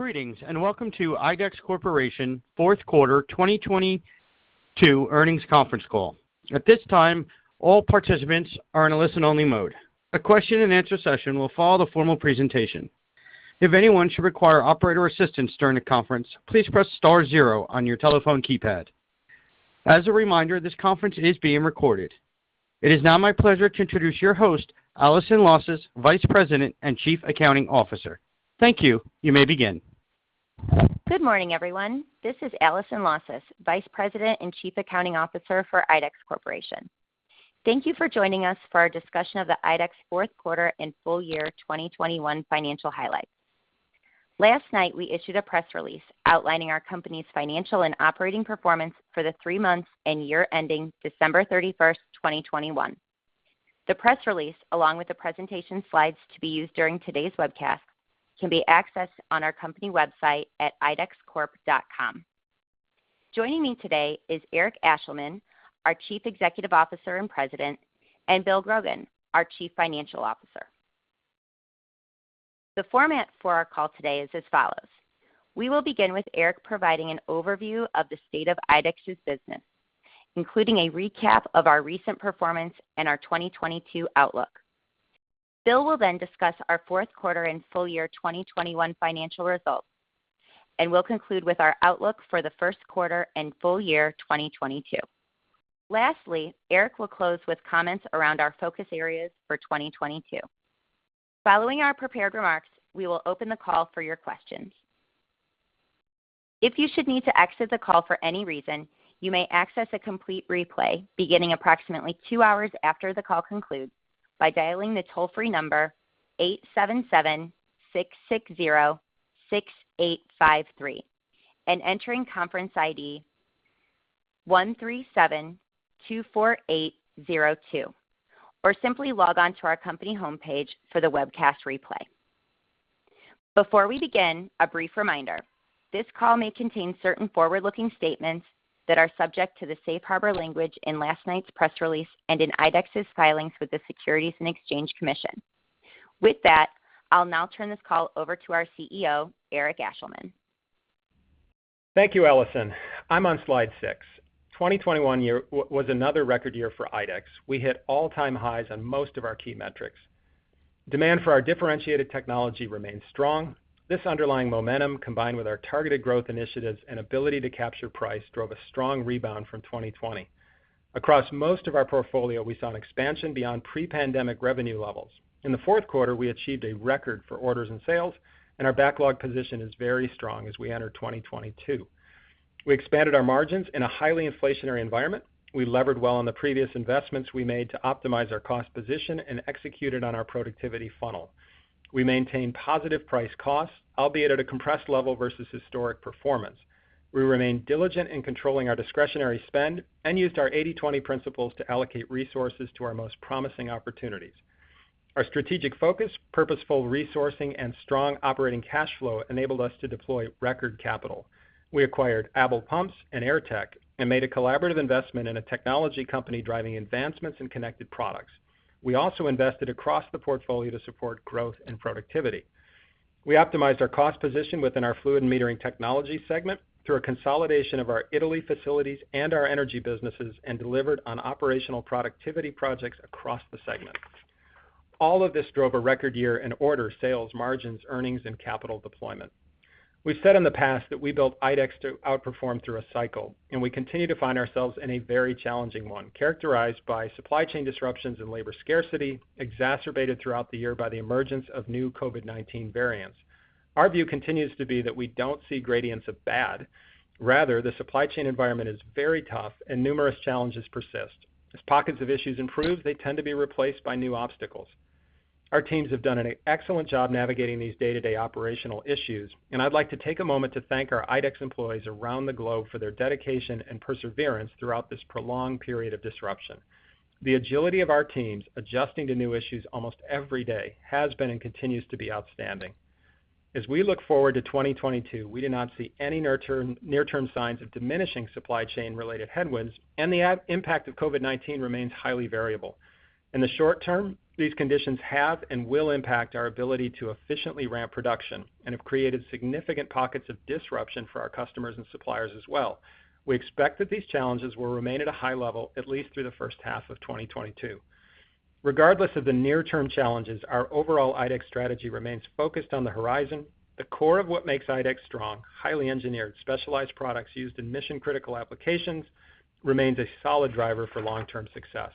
Greetings, and welcome to IDEX Corporation 4th quarter 2022 earnings conference call. At this time, all participants are in a listen-only mode. A question and answer session will follow the formal presentation. If anyone should require operator assistance during the conference, please press star 0 on your telephone keypad. As a reminder, this conference is being recorded. It is now my pleasure to introduce your host, Allison Lausas, Vice President and Chief Accounting Officer. Thank you. You may begin. Good morning, everyone. This is Allison Lausas, Vice President and Chief Accounting Officer for IDEX Corporation. Thank you for joining us for our discussion of the IDEX fourth quarter and full year 2021 financial highlights. Last night, we issued a press release outlining our company's financial and operating performance for the 3 months and year ending December 31, 2021. The press release, along with the presentation slides to be used during today's webcast, can be accessed on our company website at idexcorp.com. Joining me today is Eric Ashleman, our Chief Executive Officer and President, and William Grogan, our Chief Financial Officer. The format for our call today is as follows. We will begin with Eric providing an overview of the state of IDEX's business, including a recap of our recent performance and our 2022 outlook. Bill will then discuss our 4th quarter and full year 2021 financial results, and we'll conclude with our outlook for the 1st quarter and full year 2022. Lastly, Eric will close with comments around our focus areas for 2022. Following our prepared remarks, we will open the call for your questions. If you should need to exit the call for any reason, you may access a complete replay beginning approximately 2 hours after the call concludes by dialing the toll-free number 877-660-6853 and entering conference ID 13724802. Or simply log on to our company homepage for the webcast replay. Before we begin, a brief reminder, this call may contain certain forward-looking statements that are subject to the safe harbor language in last night's press release and in IDEX's filings with the Securities and Exchange Commission. With that, I'll now turn this call over to our CEO, Eric Ashleman. Thank you, Allison. I'm on slide 6. 2021 was another record year for IDEX. We hit all-time highs on most of our key metrics. Demand for our differentiated technology remains strong. This underlying momentum, combined with our targeted growth initiatives and ability to capture price, drove a strong rebound from 2020. Across most of our portfolio, we saw an expansion beyond pre-pandemic revenue levels. In the 4th quarter, we achieved a record for orders and sales, and our backlog position is very strong as we enter 2022. We expanded our margins in a highly inflationary environment. We levered well on the previous investments we made to optimize our cost position and executed on our productivity funnel. We maintained positive price costs, albeit at a compressed level versus historic performance. We remained diligent in controlling our discretionary spend and used our 80/20 principles to allocate resources to our most promising opportunities. Our strategic focus, purposeful resourcing, and strong operating cash flow enabled us to deploy record capital. We acquired ABEL Pumps and Airtech and made a collaborative investment in a technology company driving advancements in connected products. We also invested across the portfolio to support growth and productivity. We optimized our cost position within our Fluid & Metering Technologies segment through a consolidation of our Italy facilities and our energy businesses and delivered on operational productivity projects across the segment. All of this drove a record year in order, sales, margins, earnings, and capital deployment. We've said in the past that we built IDEX to outperform through a cycle, and we continue to find ourselves in a very challenging one, characterized by supply chain disruptions and labor scarcity, exacerbated throughout the year by the emergence of new COVID-19 variants. Our view continues to be that we don't see gradients of bad. Rather, the supply chain environment is very tough and numerous challenges persist. As pockets of issues improve, they tend to be replaced by new obstacles. Our teams have done an excellent job navigating these day-to-day operational issues, and I'd like to take a moment to thank our IDEX employees around the globe for their dedication and perseverance throughout this prolonged period of disruption. The agility of our teams adjusting to new issues almost every day has been and continues to be outstanding. As we look forward to 2022, we do not see any near-term signs of diminishing supply chain-related headwinds, and the impact of COVID-19 remains highly variable. In the short term, these conditions have and will impact our ability to efficiently ramp production and have created significant pockets of disruption for our customers and suppliers as well. We expect that these challenges will remain at a high level at least through the 1st half of 2022. Regardless of the near-term challenges, our overall IDEX strategy remains focused on the horizon. The core of what makes IDEX strong, highly engineered, specialized products used in mission-critical applications, remains a solid driver for long-term success.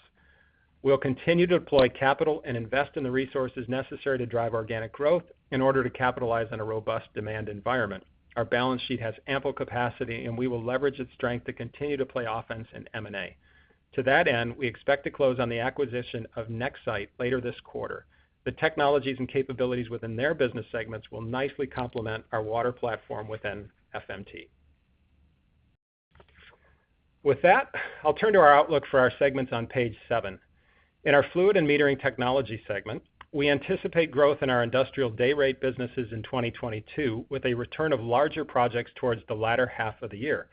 We'll continue to deploy capital and invest in the resources necessary to drive organic growth in order to capitalize on a robust demand environment. Our balance sheet has ample capacity, and we will leverage its strength to continue to play offense in M&A. To that end, we expect to close on the acquisition of Nexsight later this quarter. The technologies and capabilities within their business segments will nicely complement our water platform within FMT. With that, I'll turn to our outlook for our segments on page 7. In our Fluid & Metering Technologies segment, we anticipate growth in our industrial day rate businesses in 2022, with a return of larger projects towards the latter half of the year.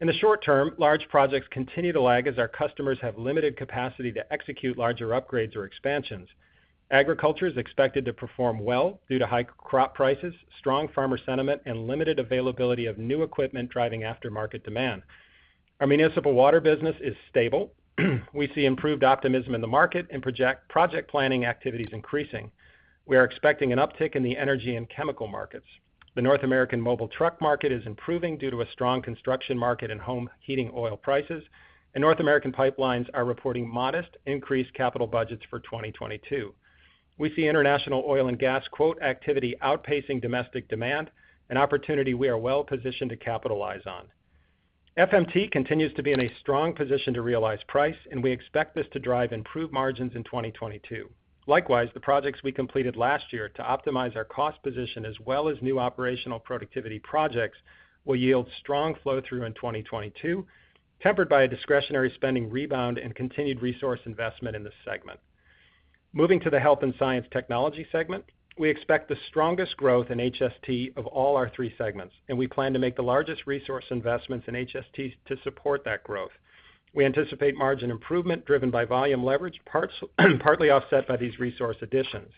In the short term, large projects continue to lag as our customers have limited capacity to execute larger upgrades or expansions. Agriculture is expected to perform well due to high crop prices, strong farmer sentiment, and limited availability of new equipment driving aftermarket demand. Our municipal water business is stable. We see improved optimism in the market and project planning activities increasing. We are expecting an uptick in the energy and chemical markets. The North American mobile truck market is improving due to a strong construction market and home heating oil prices. North American pipelines are reporting modest increased capital budgets for 2022. We see international oil and gas quote activity outpacing domestic demand, an opportunity we are well-positioned to capitalize on. FMT continues to be in a strong position to realize price, and we expect this to drive improved margins in 2022. Likewise, the projects we completed last year to optimize our cost position, as well as new operational productivity projects, will yield strong flow-through in 2022, tempered by a discretionary spending rebound and continued resource investment in this segment. Moving to the Health & Science Technologies segment, we expect the strongest growth in HST of all our three segments, and we plan to make the largest resource investments in HST to support that growth. We anticipate margin improvement driven by volume leverage, partly offset by these resource additions.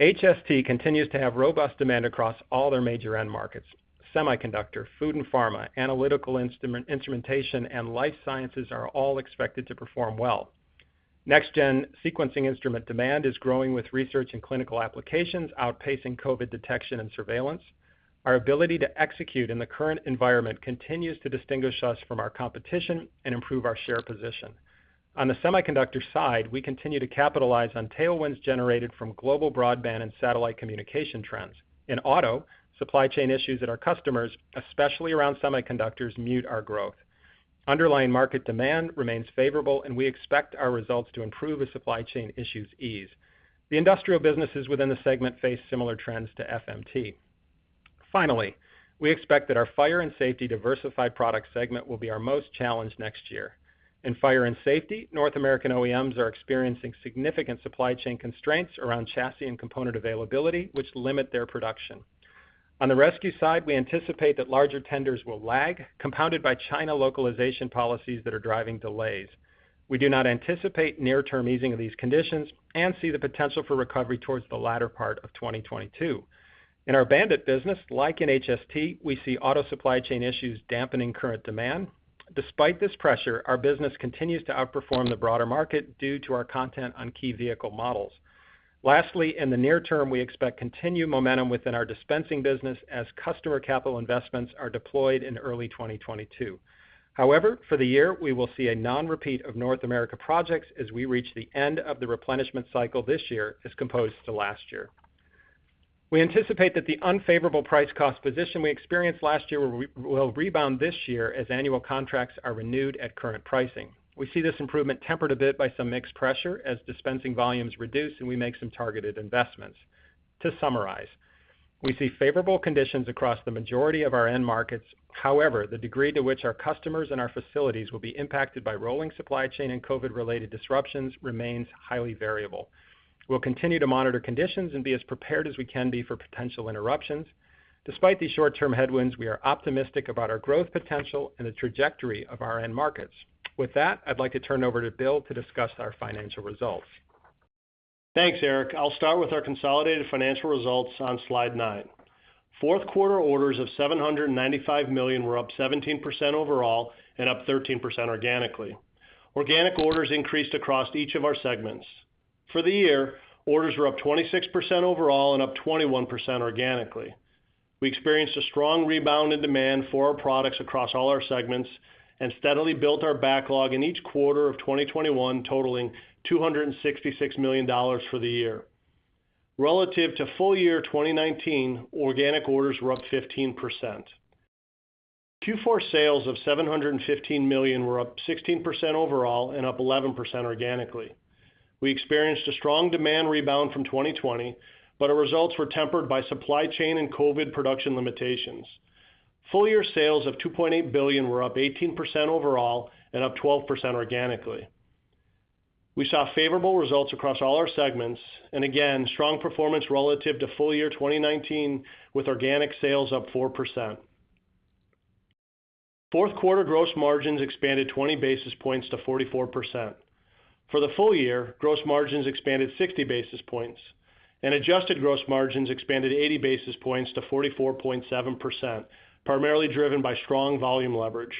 HST continues to have robust demand across all their major end markets. Semiconductor, food and pharma, analytical instrument, instrumentation, and life sciences are all expected to perform well. Next-gen sequencing instrument demand is growing with research and clinical applications outpacing COVID detection and surveillance. Our ability to execute in the current environment continues to distinguish us from our competition and improve our share position. On the semiconductor side, we continue to capitalize on tailwinds generated from global broadband and satellite communication trends. In auto, supply chain issues at our customers, especially around semiconductors, mute our growth. Underlying market demand remains favorable, and we expect our results to improve as supply chain issues ease. The industrial businesses within the segment face similar trends to FMT. Finally, we expect that our Fire & Safety/Diversified Products segment will be our most challenged next year. In fire and safety, North American OEMs are experiencing significant supply chain constraints around chassis and component availability, which limit their production. On the rescue side, we anticipate that larger tenders will lag, compounded by China localization policies that are driving delays. We do not anticipate near-term easing of these conditions and see the potential for recovery towards the latter part of 2022. In our BAND-IT business, like in HST, we see auto supply chain issues dampening current demand. Despite this pressure, our business continues to outperform the broader market due to our content on key vehicle models. Lastly, in the near term, we expect continued momentum within our dispensing business as customer capital investments are deployed in early 2022. However, for the year, we will see a non-repeat of North America projects as we reach the end of the replenishment cycle this year as compared to last year. We anticipate that the unfavorable price cost position we experienced last year will rebound this year as annual contracts are renewed at current pricing. We see this improvement tempered a bit by some margin pressure as dispensing volumes reduce and we make some targeted investments. To summarize, we see favorable conditions across the majority of our end markets. However, the degree to which our customers and our facilities will be impacted by rolling supply chain and COVID-related disruptions remains highly variable. We'll continue to monitor conditions and be as prepared as we can be for potential interruptions. Despite these short-term headwinds, we are optimistic about our growth potential and the trajectory of our end markets. With that, I'd like to turn over to Bill to discuss our financial results. Thanks, Eric. I'll start with our consolidated financial results on slide 9. Fourth quarter orders of $795 million were up 17% overall and up 13% organically. Organic orders increased across each of our segments. For the year, orders were up 26% overall and up 21% organically. We experienced a strong rebound in demand for our products across all our segments and steadily built our backlog in each quarter of 2021, totaling $266 million for the year. Relative to full year 2019, organic orders were up 15%. Q4 sales of $715 million were up 16% overall and up 11% organically. We experienced a strong demand rebound from 2020, but our results were tempered by supply chain and COVID production limitations. Full year sales of $2.8 billion were up 18% overall and up 12% organically. We saw favorable results across all our segments, and again, strong performance relative to full year 2019, with organic sales up 4%. Fourth quarter gross margins expanded 20 basis points to 44%. For the full year, gross margins expanded 60 basis points, and adjusted gross margins expanded 80 basis points to 44.7%, primarily driven by strong volume leverage.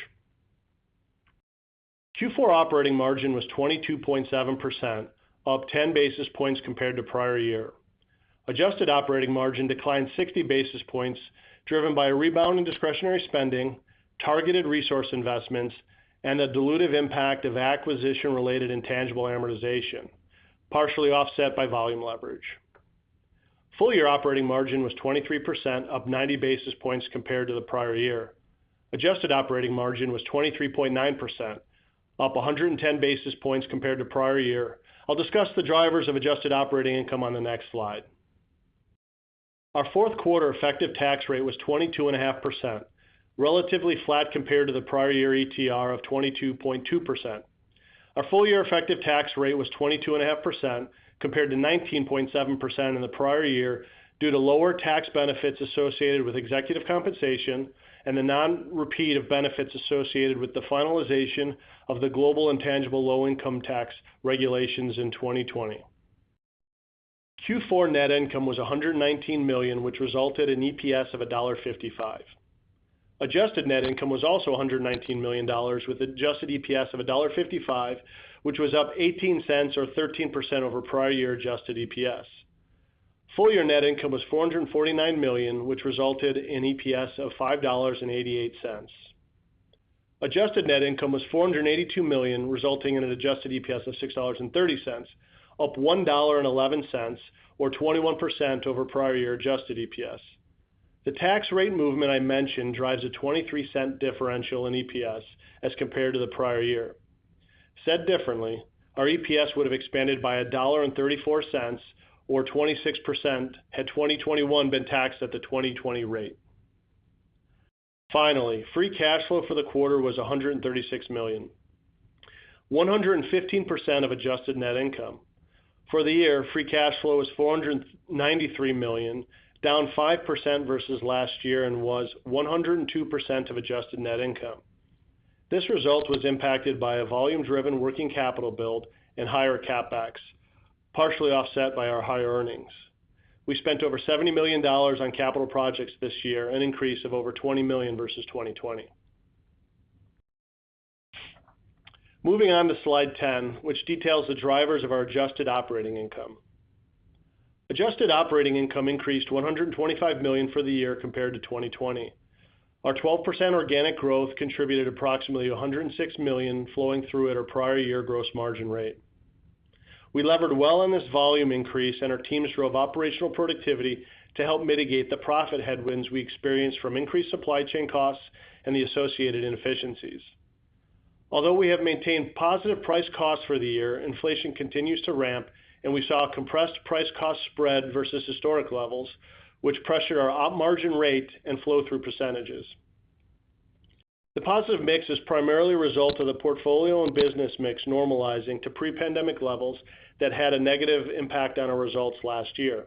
Q4 operating margin was 22.7%, up 10 basis points compared to prior year. Adjusted operating margin declined 60 basis points, driven by a rebound in discretionary spending, targeted resource investments, and the dilutive impact of acquisition-related intangible amortization, partially offset by volume leverage. Full year operating margin was 23%, up 90 basis points compared to the prior year. Adjusted operating margin was 23.9%, up 110 basis points compared to prior year. I'll discuss the drivers of adjusted operating income on the next slide. Our 4th quarter effective tax rate was 22.5%, relatively flat compared to the prior year ETR of 22.2%. Our full year effective tax rate was 22.5%, compared to 19.7% in the prior year, due to lower tax benefits associated with executive compensation and the non-repeat of benefits associated with the finalization of the Global Intangible Low-Taxed Income regulations in 2020. Q4 net income was $119 million, which resulted in EPS of $1.55. Adjusted net income was also $119 million with adjusted EPS of $1.55, which was up $0.18 or 13% over prior year adjusted EPS. Full year net income was $449 million, which resulted in EPS of $5.88. Adjusted net income was $482 million, resulting in an adjusted EPS of $6.30, up $1.11, or 21% over prior year adjusted EPS. The tax rate movement I mentioned drives a $0.23 differential in EPS as compared to the prior year. Said differently, our EPS would have expanded by $1.34 or 26% had 2021 been taxed at the 2020 rate. Finally, free cash flow for the quarter was $136 million, 115% of adjusted net income. For the year, free cash flow was $493 million, down 5% versus last year, and was 102% of adjusted net income. This result was impacted by a volume driven working capital build and higher CapEx, partially offset by our higher earnings. We spent over $70 million on capital projects this year, an increase of over $20 million versus 2020. Moving on to slide 10, which details the drivers of our adjusted operating income. Adjusted operating income increased $125 million for the year compared to 2020. Our 12% organic growth contributed approximately $106 million flowing through at our prior year gross margin rate. We levered well on this volume increase, and our teams drove operational productivity to help mitigate the profit headwinds we experienced from increased supply chain costs and the associated inefficiencies. Although we have maintained positive price costs for the year, inflation continues to ramp and we saw a compressed price cost spread versus historic levels, which pressure our operating margin rate and flow-through percentages. The positive mix is primarily a result of the portfolio and business mix normalizing to pre-pandemic levels that had a negative impact on our results last year.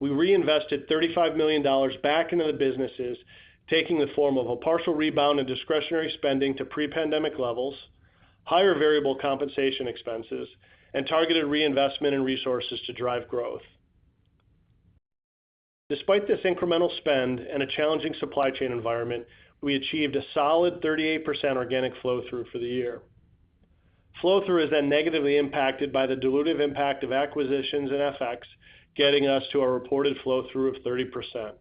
We reinvested $35 million back into the businesses, taking the form of a partial rebound in discretionary spending to pre-pandemic levels, higher variable compensation expenses and targeted reinvestment in resources to drive growth. Despite this incremental spend and a challenging supply chain environment, we achieved a solid 38% organic flow-through for the year. Flow through is then negatively impacted by the dilutive impact of acquisitions and FX, getting us to a reported flow through of 30%.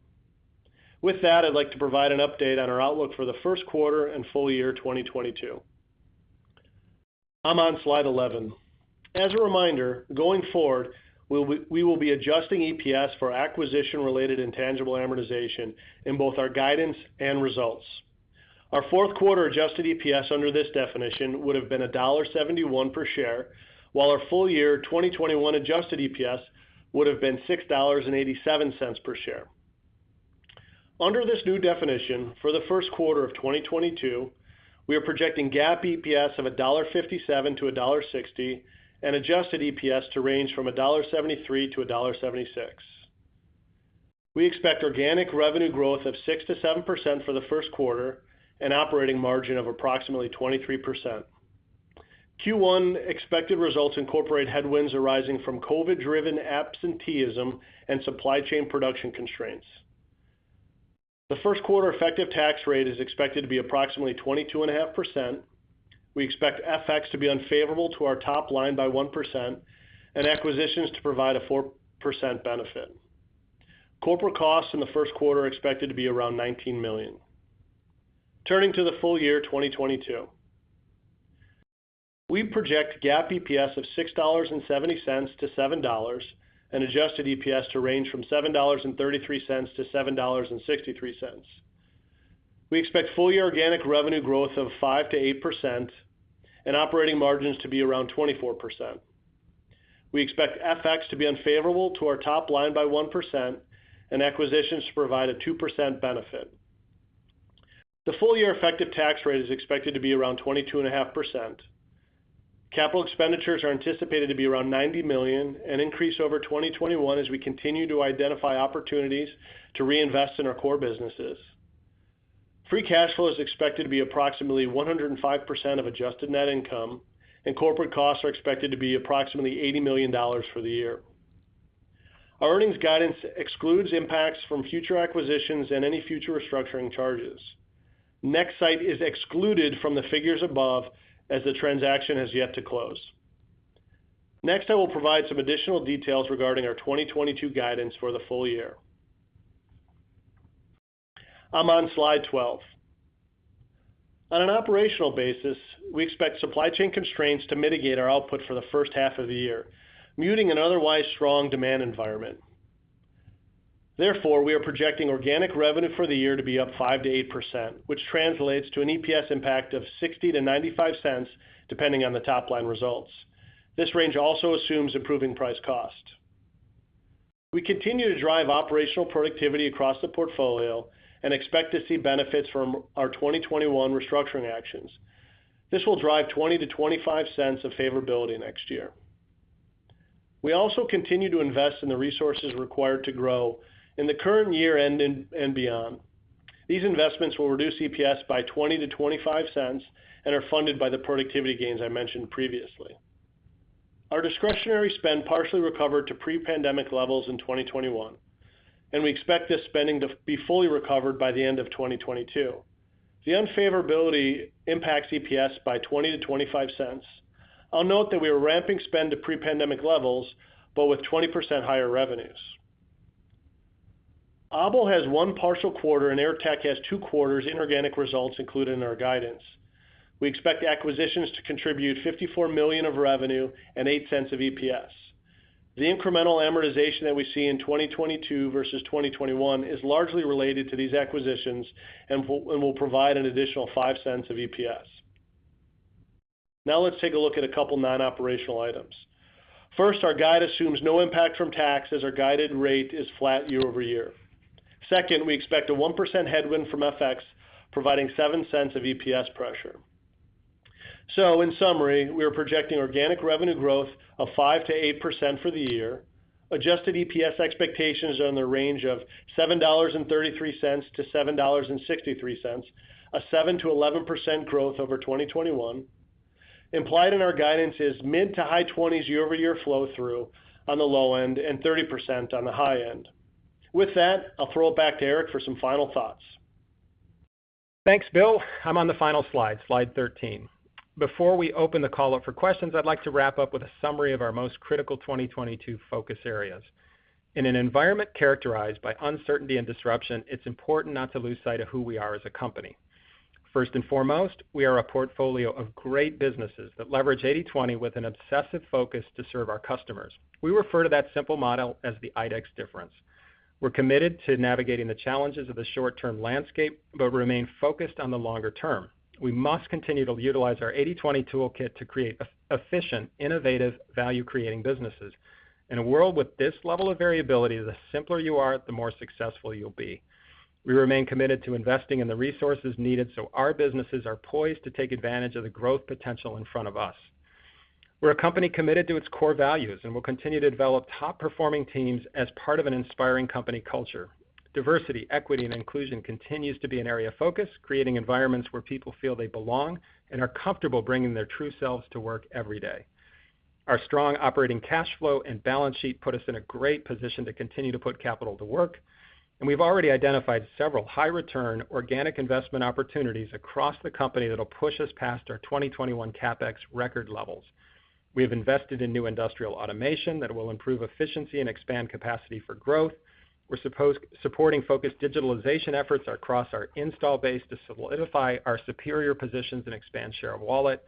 With that, I'd like to provide an update on our outlook for the first quarter and full year 2022. I'm on slide 11. As a reminder, going forward, we will be adjusting EPS for acquisition related intangible amortization in both our guidance and results. Our 4th quarter adjusted EPS under this definition would have been $1.71 per share, while our full year 2021 adjusted EPS would have been $6.87 per share. Under this new definition, for the first quarter of 2022, we are projecting GAAP EPS of $1.57-$1.60, and adjusted EPS to range from $1.73-$1.76. We expect organic revenue growth of 6%-7% for the first quarter and operating margin of approximately 23%. Q1 expected results incorporate headwinds arising from COVID driven absenteeism and supply chain production constraints. The first quarter effective tax rate is expected to be approximately 22.5%. We expect FX to be unfavorable to our top line by 1% and acquisitions to provide a 4% benefit. Corporate costs in the first quarter are expected to be around $19 million. Turning to the full year 2022. We project GAAP EPS of $6.70-$7, and adjusted EPS to range from $7.33-$7.63. We expect full year organic revenue growth of 5%-8% and operating margins to be around 24%. We expect FX to be unfavorable to our top line by 1% and acquisitions to provide a 2% benefit. The full year effective tax rate is expected to be around 22.5%. Capital expenditures are anticipated to be around $90 million, an increase over 2021 as we continue to identify opportunities to reinvest in our core businesses. Free cash flow is expected to be approximately 105% of adjusted net income, and corporate costs are expected to be approximately $80 million for the year. Our earnings guidance excludes impacts from future acquisitions and any future restructuring charges. Nexsight is excluded from the figures above as the transaction has yet to close. Next, I will provide some additional details regarding our 2022 guidance for the full year. I'm on slide 12. On an operational basis, we expect supply chain constraints to mitigate our output for the 1st half of the year, muting an otherwise strong demand environment. Therefore, we are projecting organic revenue for the year to be up 5%-8%, which translates to an EPS impact of $0.60-$0.95 depending on the top line results. This range also assumes improving price cost. We continue to drive operational productivity across the portfolio and expect to see benefits from our 2021 restructuring actions. This will drive $0.20-$0.25 of favorability next year. We also continue to invest in the resources required to grow in the current year and beyond. These investments will reduce EPS by $0.20-$0.25 and are funded by the productivity gains I mentioned previously. Our discretionary spend partially recovered to pre-pandemic levels in 2021, and we expect this spending to be fully recovered by the end of 2022. The unfavorability impacts EPS by $0.20-$0.25. I'll note that we are ramping spend to pre-pandemic levels, but with 20% higher revenues. ABEL has one partial quarter and Airtech has two quarters in organic results included in our guidance. We expect acquisitions to contribute $54 million of revenue and $0.08 of EPS. The incremental amortization that we see in 2022 versus 2021 is largely related to these acquisitions and will provide an additional $0.05 of EPS. Now let's take a look at a couple non-operational items. First, our guide assumes no impact from tax as our guided rate is flat year-over-year. Second, we expect a 1% headwind from FX, providing $0.07 of EPS pressure. In summary, we are projecting organic revenue growth of 5%-8% for the year. Adjusted EPS expectations are in the range of $7.33-$7.63, a 7%-11% growth over 2021. Implied in our guidance is mid- to high-20s year-over-year flow-through on the low end and 30% on the high end. With that, I'll throw it back to Eric for some final thoughts. Thanks, Bill. I'm on the final slide 13. Before we open the call up for questions, I'd like to wrap up with a summary of our most critical 2022 focus areas. In an environment characterized by uncertainty and disruption, it's important not to lose sight of who we are as a company. First and foremost, we are a portfolio of great businesses that leverage 80/20 with an obsessive focus to serve our customers. We refer to that simple model as the IDEX difference. We're committed to navigating the challenges of the short-term landscape, but remain focused on the longer term. We must continue to utilize our 80/20 toolkit to create efficient, innovative, value-creating businesses. In a world with this level of variability, the simpler you are, the more successful you'll be. We remain committed to investing in the resources needed so our businesses are poised to take advantage of the growth potential in front of us. We're a company committed to its core values, and we'll continue to develop top-performing teams as part of an inspiring company culture. Diversity, equity, and inclusion continues to be an area of focus, creating environments where people feel they belong and are comfortable bringing their true selves to work every day. Our strong operating cash flow and balance sheet put us in a great position to continue to put capital to work, and we've already identified several high return organic investment opportunities across the company that'll push us past our 2021 CapEx record levels. We have invested in new industrial automation that will improve efficiency and expand capacity for growth. We're supporting focused digitalization efforts across our install base to solidify our superior positions and expand share of wallet.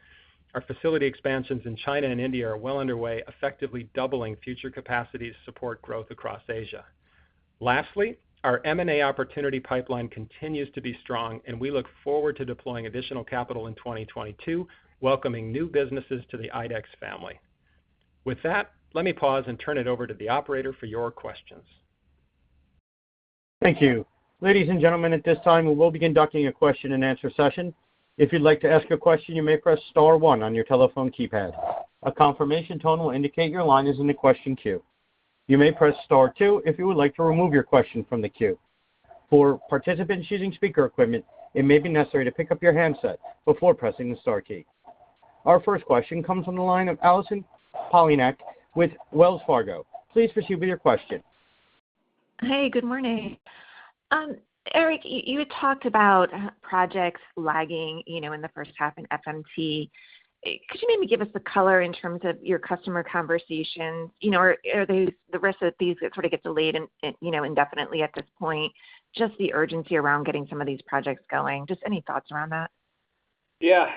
Our facility expansions in China and India are well underway, effectively doubling future capacity to support growth across Asia. Lastly, our M&A opportunity pipeline continues to be strong, and we look forward to deploying additional capital in 2022, welcoming new businesses to the IDEX family. With that, let me pause and turn it over to the operator for your questions. Thank you. Ladies and gentlemen, at this time, we will be conducting a question-and-answer session. If you'd like to ask a question, you may press star 1 on your telephone keypad. A confirmation tone will indicate your line is in the question queue. You may press star 2 if you would like to remove your question from the queue. For participants using speaker equipment, it may be necessary to pick up your handset before pressing the star key. Our first question comes from the line of Allison Poliniak-Cusic with Wells Fargo. Please proceed with your question. Hey, good morning. Eric, you had talked about projects lagging, you know, in the first half in FMT. Could you maybe give us the color in terms of your customer conversations? You know, are these the risk that these sort of get delayed, you know, indefinitely at this point, just the urgency around getting some of these projects going, just any thoughts around that? Yeah.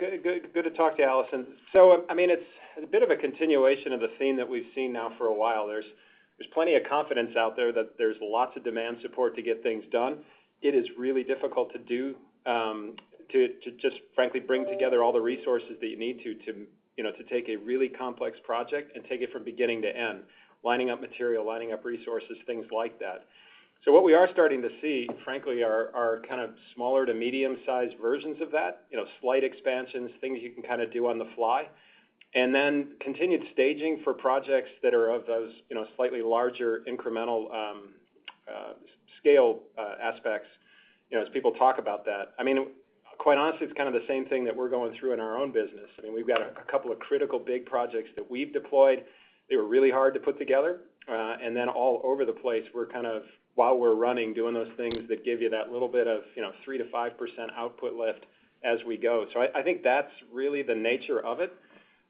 Good to talk to you, Allison. So, I mean, it's a bit of a continuation of the theme that we've seen now for a while. There's plenty of confidence out there that there's lots of demand support to get things done. It is really difficult to do to just frankly bring together all the resources that you need to you know to take a really complex project and take it from beginning to end, lining up material, lining up resources, things like that. So what we are starting to see, frankly, are kind of smaller to medium-sized versions of that, you know, slight expansions, things you can kind of do on the fly. Then continued staging for projects that are of those, you know, slightly larger incremental scale aspects, you know, as people talk about that. I mean, quite honestly, it's kind of the same thing that we're going through in our own business. I mean, we've got a couple of critical big projects that we've deployed. They were really hard to put together. All over the place, we're kind of, while we're running, doing those things that give you that little bit of, you know, 3%-5% output lift as we go. I think that's really the nature of it.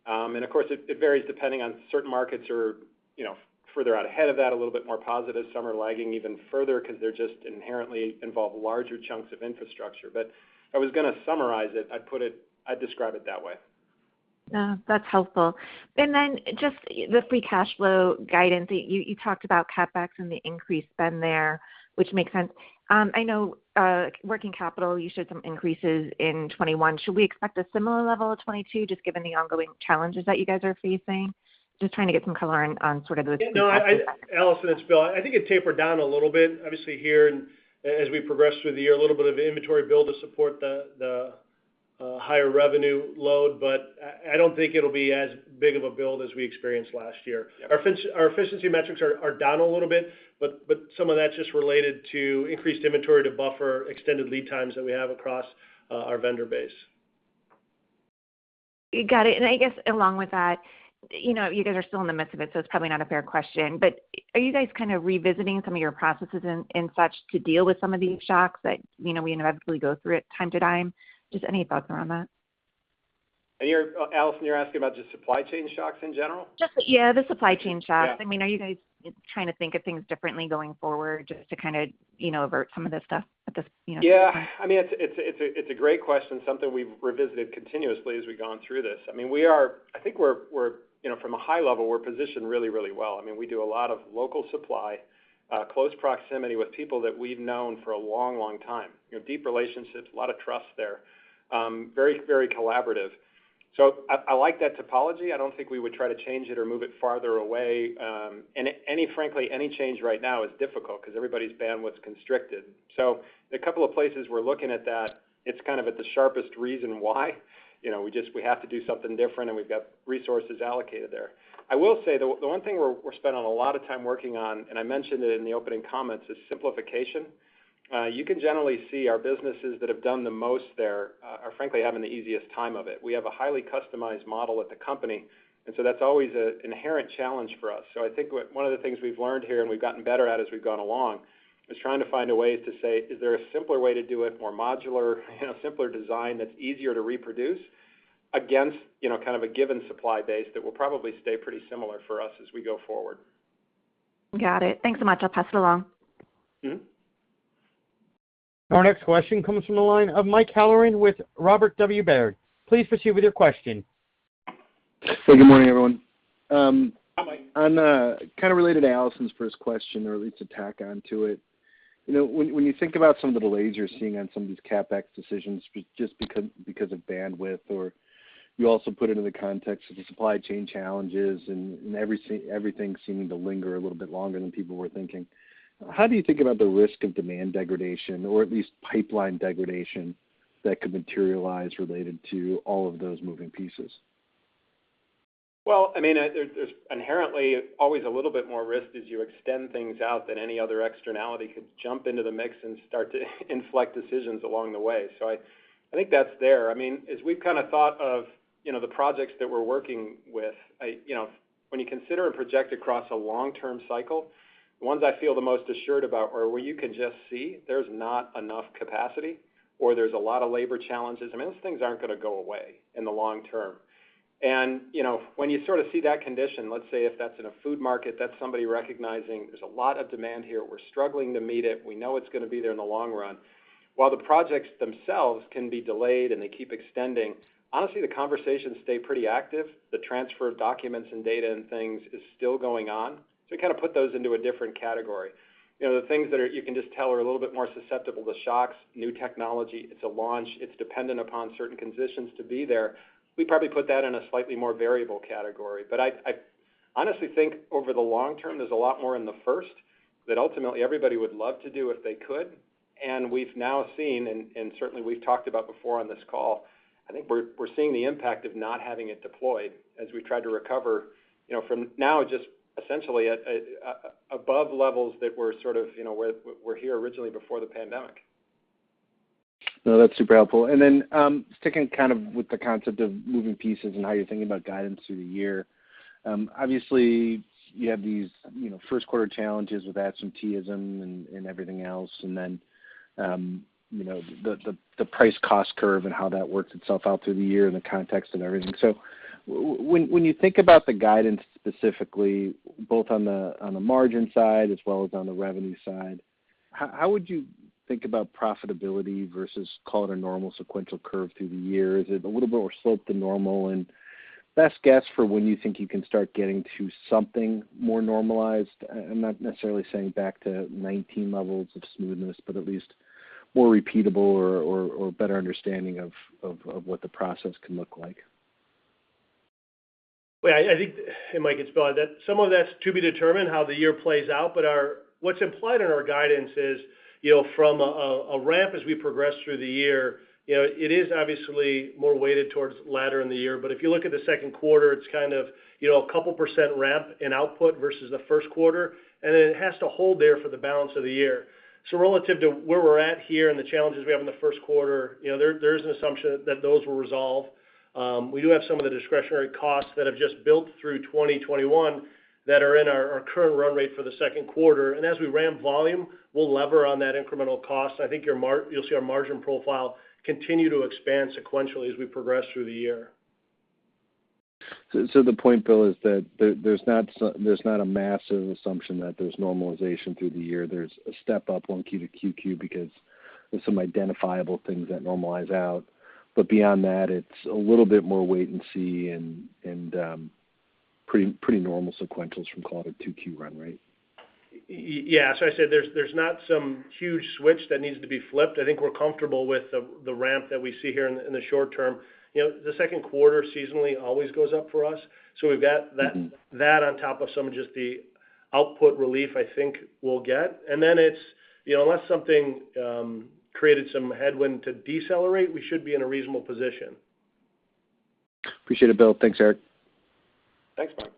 Of course, it varies depending on, certain markets are, you know, further out ahead of that, a little bit more positive. Some are lagging even further because they just inherently involve larger chunks of infrastructure. If I was gonna summarize it, I'd describe it that way. No, that's helpful. Then just the free cash flow guidance. You talked about CapEx and the increased spend there, which makes sense. I know working capital, you showed some increases in 2021. Should we expect a similar level of 2022, just given the ongoing challenges that you guys are facing? Just trying to get some color on sort of the- No, Allison, it's Bill. I think it tapered down a little bit, obviously here and as we progress through the year, a little bit of inventory build to support the.. A higher revenue load, but I don't think it'll be as big of a build as we experienced last year. Our efficiency metrics are down a little bit, but some of that's just related to increased inventory to buffer extended lead times that we have across our vendor base. Got it. I guess along with that, you know, you guys are still in the midst of it, so it's probably not a fair question. Are you guys kind of revisiting some of your processes and such to deal with some of these shocks that, you know, we inevitably go through from time to time? Just any thoughts around that? I hear, Allison, you're asking about just supply chain shocks in general? Yeah, the supply chain shocks. Yeah. I mean, are you guys trying to think of things differently going forward just to kind of, you know, avert some of this stuff at this, you know, point? Yeah. I mean, it's a great question. Something we've revisited continuously as we've gone through this. I mean, we are—I think we're. You know, from a high level, we're positioned really, really well. I mean, we do a lot of local supply, close proximity with people that we've known for a long, long time. You know, deep relationships, a lot of trust there. Very, very collaborative. I like that topology. I don't think we would try to change it or move it farther away. And, frankly, any change right now is difficult because everybody's bandwidth's constricted. A couple of places we're looking at that, it's kind of at the sharpest reason why. You know, we have to do something different, and we've got resources allocated there. I will say, the one thing we're spending a lot of time working on, and I mentioned it in the opening comments, is simplification. You can generally see our businesses that have done the most there are frankly having the easiest time of it. We have a highly customized model at the company, and so that's always an inherent challenge for us. I think one of the things we've learned here, and we've gotten better at as we've gone along, is trying to find a way to say, "Is there a simpler way to do it, more modular, you know, simpler design that's easier to reproduce against, you know, kind of a given supply base that will probably stay pretty similar for us as we go forward? Got it. Thanks so much. I'll pass it along. Mm-hmm. Our next question comes from the line of Michael Halloran with Robert W. Baird. Please proceed with your question. Good morning, everyone. Hi, Mike. Kind of related to Allison's first question or at least to tack onto it. You know, when you think about some of the delays you're seeing on some of these CapEx decisions just because of bandwidth, or you also put it in the context of the supply chain challenges and everything seeming to linger a little bit longer than people were thinking. How do you think about the risk of demand degradation or at least pipeline degradation that could materialize related to all of those moving pieces? Well, I mean, there's inherently always a little bit more risk as you extend things out than any other externality could jump into the mix and start to inflect decisions along the way. So I think that's there. I mean, as we've kind of thought of, you know, the projects that we're working with. You know, when you consider a project across a long-term cycle, the ones I feel the most assured about are where you can just see there's not enough capacity or there's a lot of labor challenges. I mean, those things aren't gonna go away in the long term. You know, when you sort of see that condition, let's say if that's in a food market, that's somebody recognizing there's a lot of demand here, we're struggling to meet it. We know it's gonna be there in the long run. While the projects themselves can be delayed and they keep extending, honestly, the conversations stay pretty active. The transfer of documents and data and things is still going on. We kind of put those into a different category. You know, the things that are, you can just tell, are a little bit more susceptible to shocks, new technology, it's a launch, it's dependent upon certain conditions to be there. We probably put that in a slightly more variable category. I honestly think over the long term, there's a lot more in the first that ultimately everybody would love to do if they could. We've now seen, and certainly we've talked about before on this call. I think we're seeing the impact of not having it deployed as we try to recover, you know, from levels that are now just essentially at or above levels that were sort of, you know, where we were originally before the pandemic. No, that's super helpful. Sticking kind of with the concept of moving pieces and how you're thinking about guidance through the year. Obviously you have these, you know, 1st quarter challenges with absenteeism and everything else. You know, the price cost curve and how that works itself out through the year in the context and everything. When you think about the guidance specifically, both on the margin side as well as on the revenue side, how would you think about profitability versus call it a normal sequential curve through the year? Is it a little bit more sloped than normal? Best guess for when you think you can start getting to something more normalized? I'm not necessarily saying back to 2019 levels of smoothness, but at least more repeatable or better understanding of what the process can look like? I think, and Mike, it's Bill, that some of that's to be determined how the year plays out. What's implied in our guidance is, you know, from a ramp as we progress through the year, you know, it is obviously more weighted towards latter in the year. If you look at the second quarter, it's kind of, you know, a couple% ramp in output versus the 1st quarter, and then it has to hold there for the balance of the year. Relative to where we're at here and the challenges we have in the 1st quarter, you know, there is an assumption that those will resolve. We do have some of the discretionary costs that have just built through 2021 that are in our current run rate for the 2nd quarter. As we ramp volume, we'll leverage on that incremental cost. I think you'll see our margin profile continue to expand sequentially as we progress through the year. The point, Bill, is that there's not a massive assumption that there's normalization through the year. There's a step up on Q to QQ because there's some identifiable things that normalize out. It's a little bit more wait and see, pretty normal sequentials from call it a 2Q run rate. Yeah. I said there's not some huge switch that needs to be flipped. I think we're comfortable with the ramp that we see here in the short term. You know, the 2nd quarter seasonally always goes up for us. We've got that. Mm-hmm That on top of some of just the output relief, I think we'll get. It's, you know, unless something created some headwind to decelerate, we should be in a reasonable position. Appreciate it, Bill. Thanks, Eric. Thanks, Mike.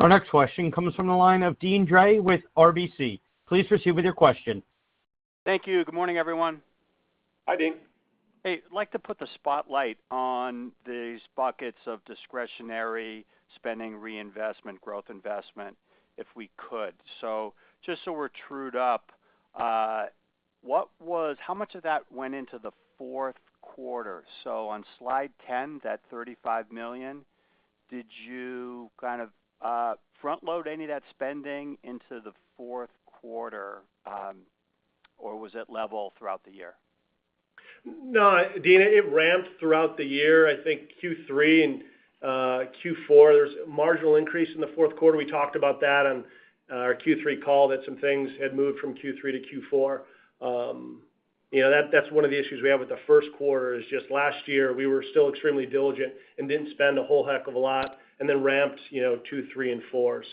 Our next question comes from the line of Deane Dray with RBC. Please proceed with your question. Thank you. Good morning, everyone. Hi, Deane. Hey, I'd like to put the spotlight on these buckets of discretionary spending reinvestment growth investment, if we could. Just so we're trued up, how much of that went into the 4th quarter? On slide 10, that $35 million, did you kind of front load any of that spending into the 4th quarter, or was it level throughout the year? No, Deane, it ramped throughout the year. I think Q3 and Q4, there's a marginal increase in the 4th quarter. We talked about that on our Q3 call that some things had moved from Q3 to Q4. You know, that's one of the issues we have with the 1st quarter is just last year, we were still extremely diligent and didn't spend a whole heck of a lot and then ramped, you know, 2, 3, and 4.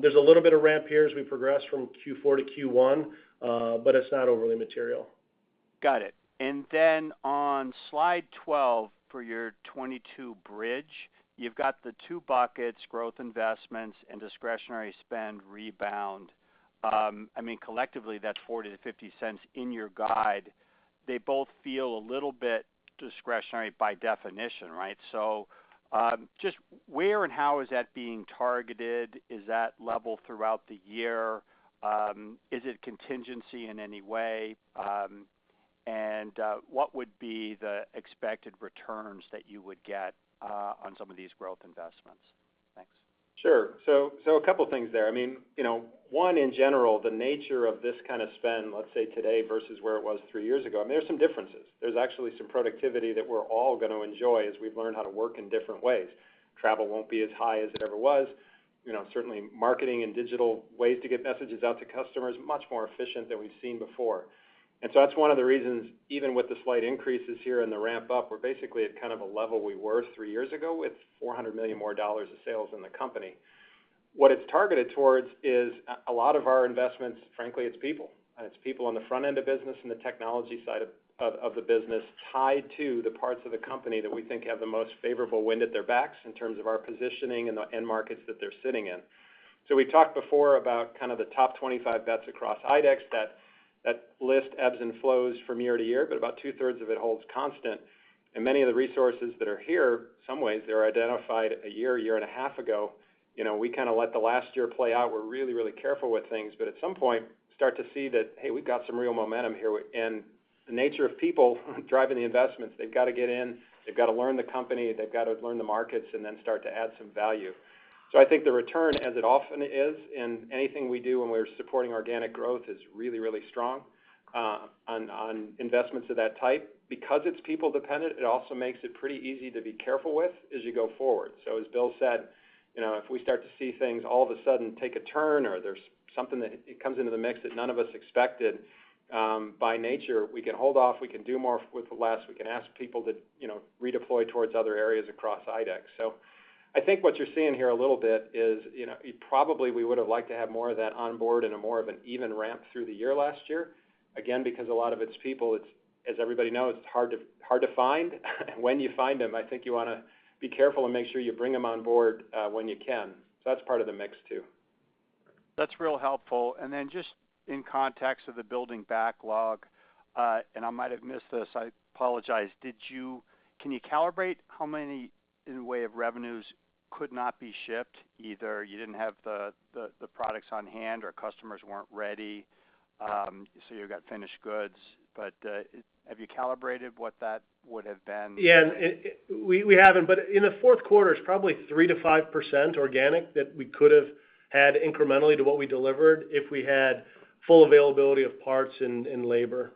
There's a little bit of ramp here as we progress from Q4 to Q1, but it's not overly material. Got it. On slide 12 for your 2022 bridge, you've got the two buckets, growth investments and discretionary spend rebound. I mean, collectively, that's $0.40-$0.50 in your guide. They both feel a little bit discretionary by definition, right? Just where and how is that being targeted? Is that level throughout the year? Is it contingency in any way? What would be the expected returns that you would get on some of these growth investments? Thanks. Sure. A couple of things there. I mean, you know, one, in general, the nature of this kind of spend, let's say, today versus where it was 3 years ago, I mean, there's some differences. There's actually some productivity that we're all gonna enjoy as we've learned how to work in different ways. Travel won't be as high as it ever was. You know, certainly, marketing and digital ways to get messages out to customers, much more efficient than we've seen before. That's one of the reasons, even with the slight increases here in the ramp-up, we're basically at kind of a level we were 3 years ago with $400 million more dollars of sales in the company. What it's targeted towards is a lot of our investments. Frankly, it's people. It's people on the front end of business and the technology side of the business tied to the parts of the company that we think have the most favorable wind at their backs in terms of our positioning and the end markets that they're sitting in. We talked before about kind of the top 25 bets across IDEX that list ebbs and flows from year-to-year, but about two-thirds of it holds constant. Many of the resources that are here, in some ways, they were identified a year and a half ago. You know, we kind of let the last year play out. We're really, really careful with things, but at some point, start to see that, hey, we've got some real momentum here. The nature of people driving the investments, they've got to get in, they've got to learn the company, they've got to learn the markets and then start to add some value. I think the return, as it often is in anything we do when we're supporting organic growth, is really, really strong on investments of that type. Because it's people dependent, it also makes it pretty easy to be careful with as you go forward. As Bill said, you know, if we start to see things all of a sudden take a turn or there's something that comes into the mix that none of us expected, by nature, we can hold off, we can do more with less. We can ask people to, you know, redeploy towards other areas across IDEX. I think what you're seeing here a little bit is, you know, probably we would have liked to have more of that on board and a more of an even ramp through the year last year. Again, because a lot of it's people, it's as everybody knows, it's hard to find. When you find them, I think you wanna be careful and make sure you bring them on board, when you can. That's part of the mix, too. That's real helpful. Just in context of the building backlog, and I might have missed this, I apologize. Can you calibrate how many in the way of revenues could not be shipped? Either you didn't have the products on hand or customers weren't ready, so you've got finished goods. Have you calibrated what that would have been? Yeah. We haven't. In the 4th quarter, it's probably 3%-5% organic that we could have had incrementally to what we delivered if we had full availability of parts and labor.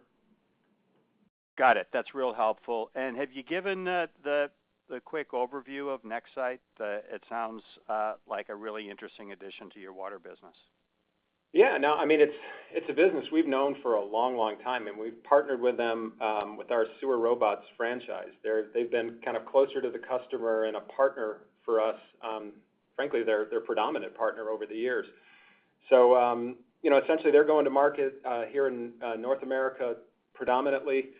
Got it. That's real helpful. Have you given the quick overview of Nexsight? It sounds like a really interesting addition to your water business. Yeah. No, I mean, it's a business we've known for a long, long time, and we've partnered with them with our sewer robots franchise. They've been kind of closer to the customer and a partner for us. Frankly, they're the predominant partner over the years. You know, essentially, they're going to market here in North America predominantly.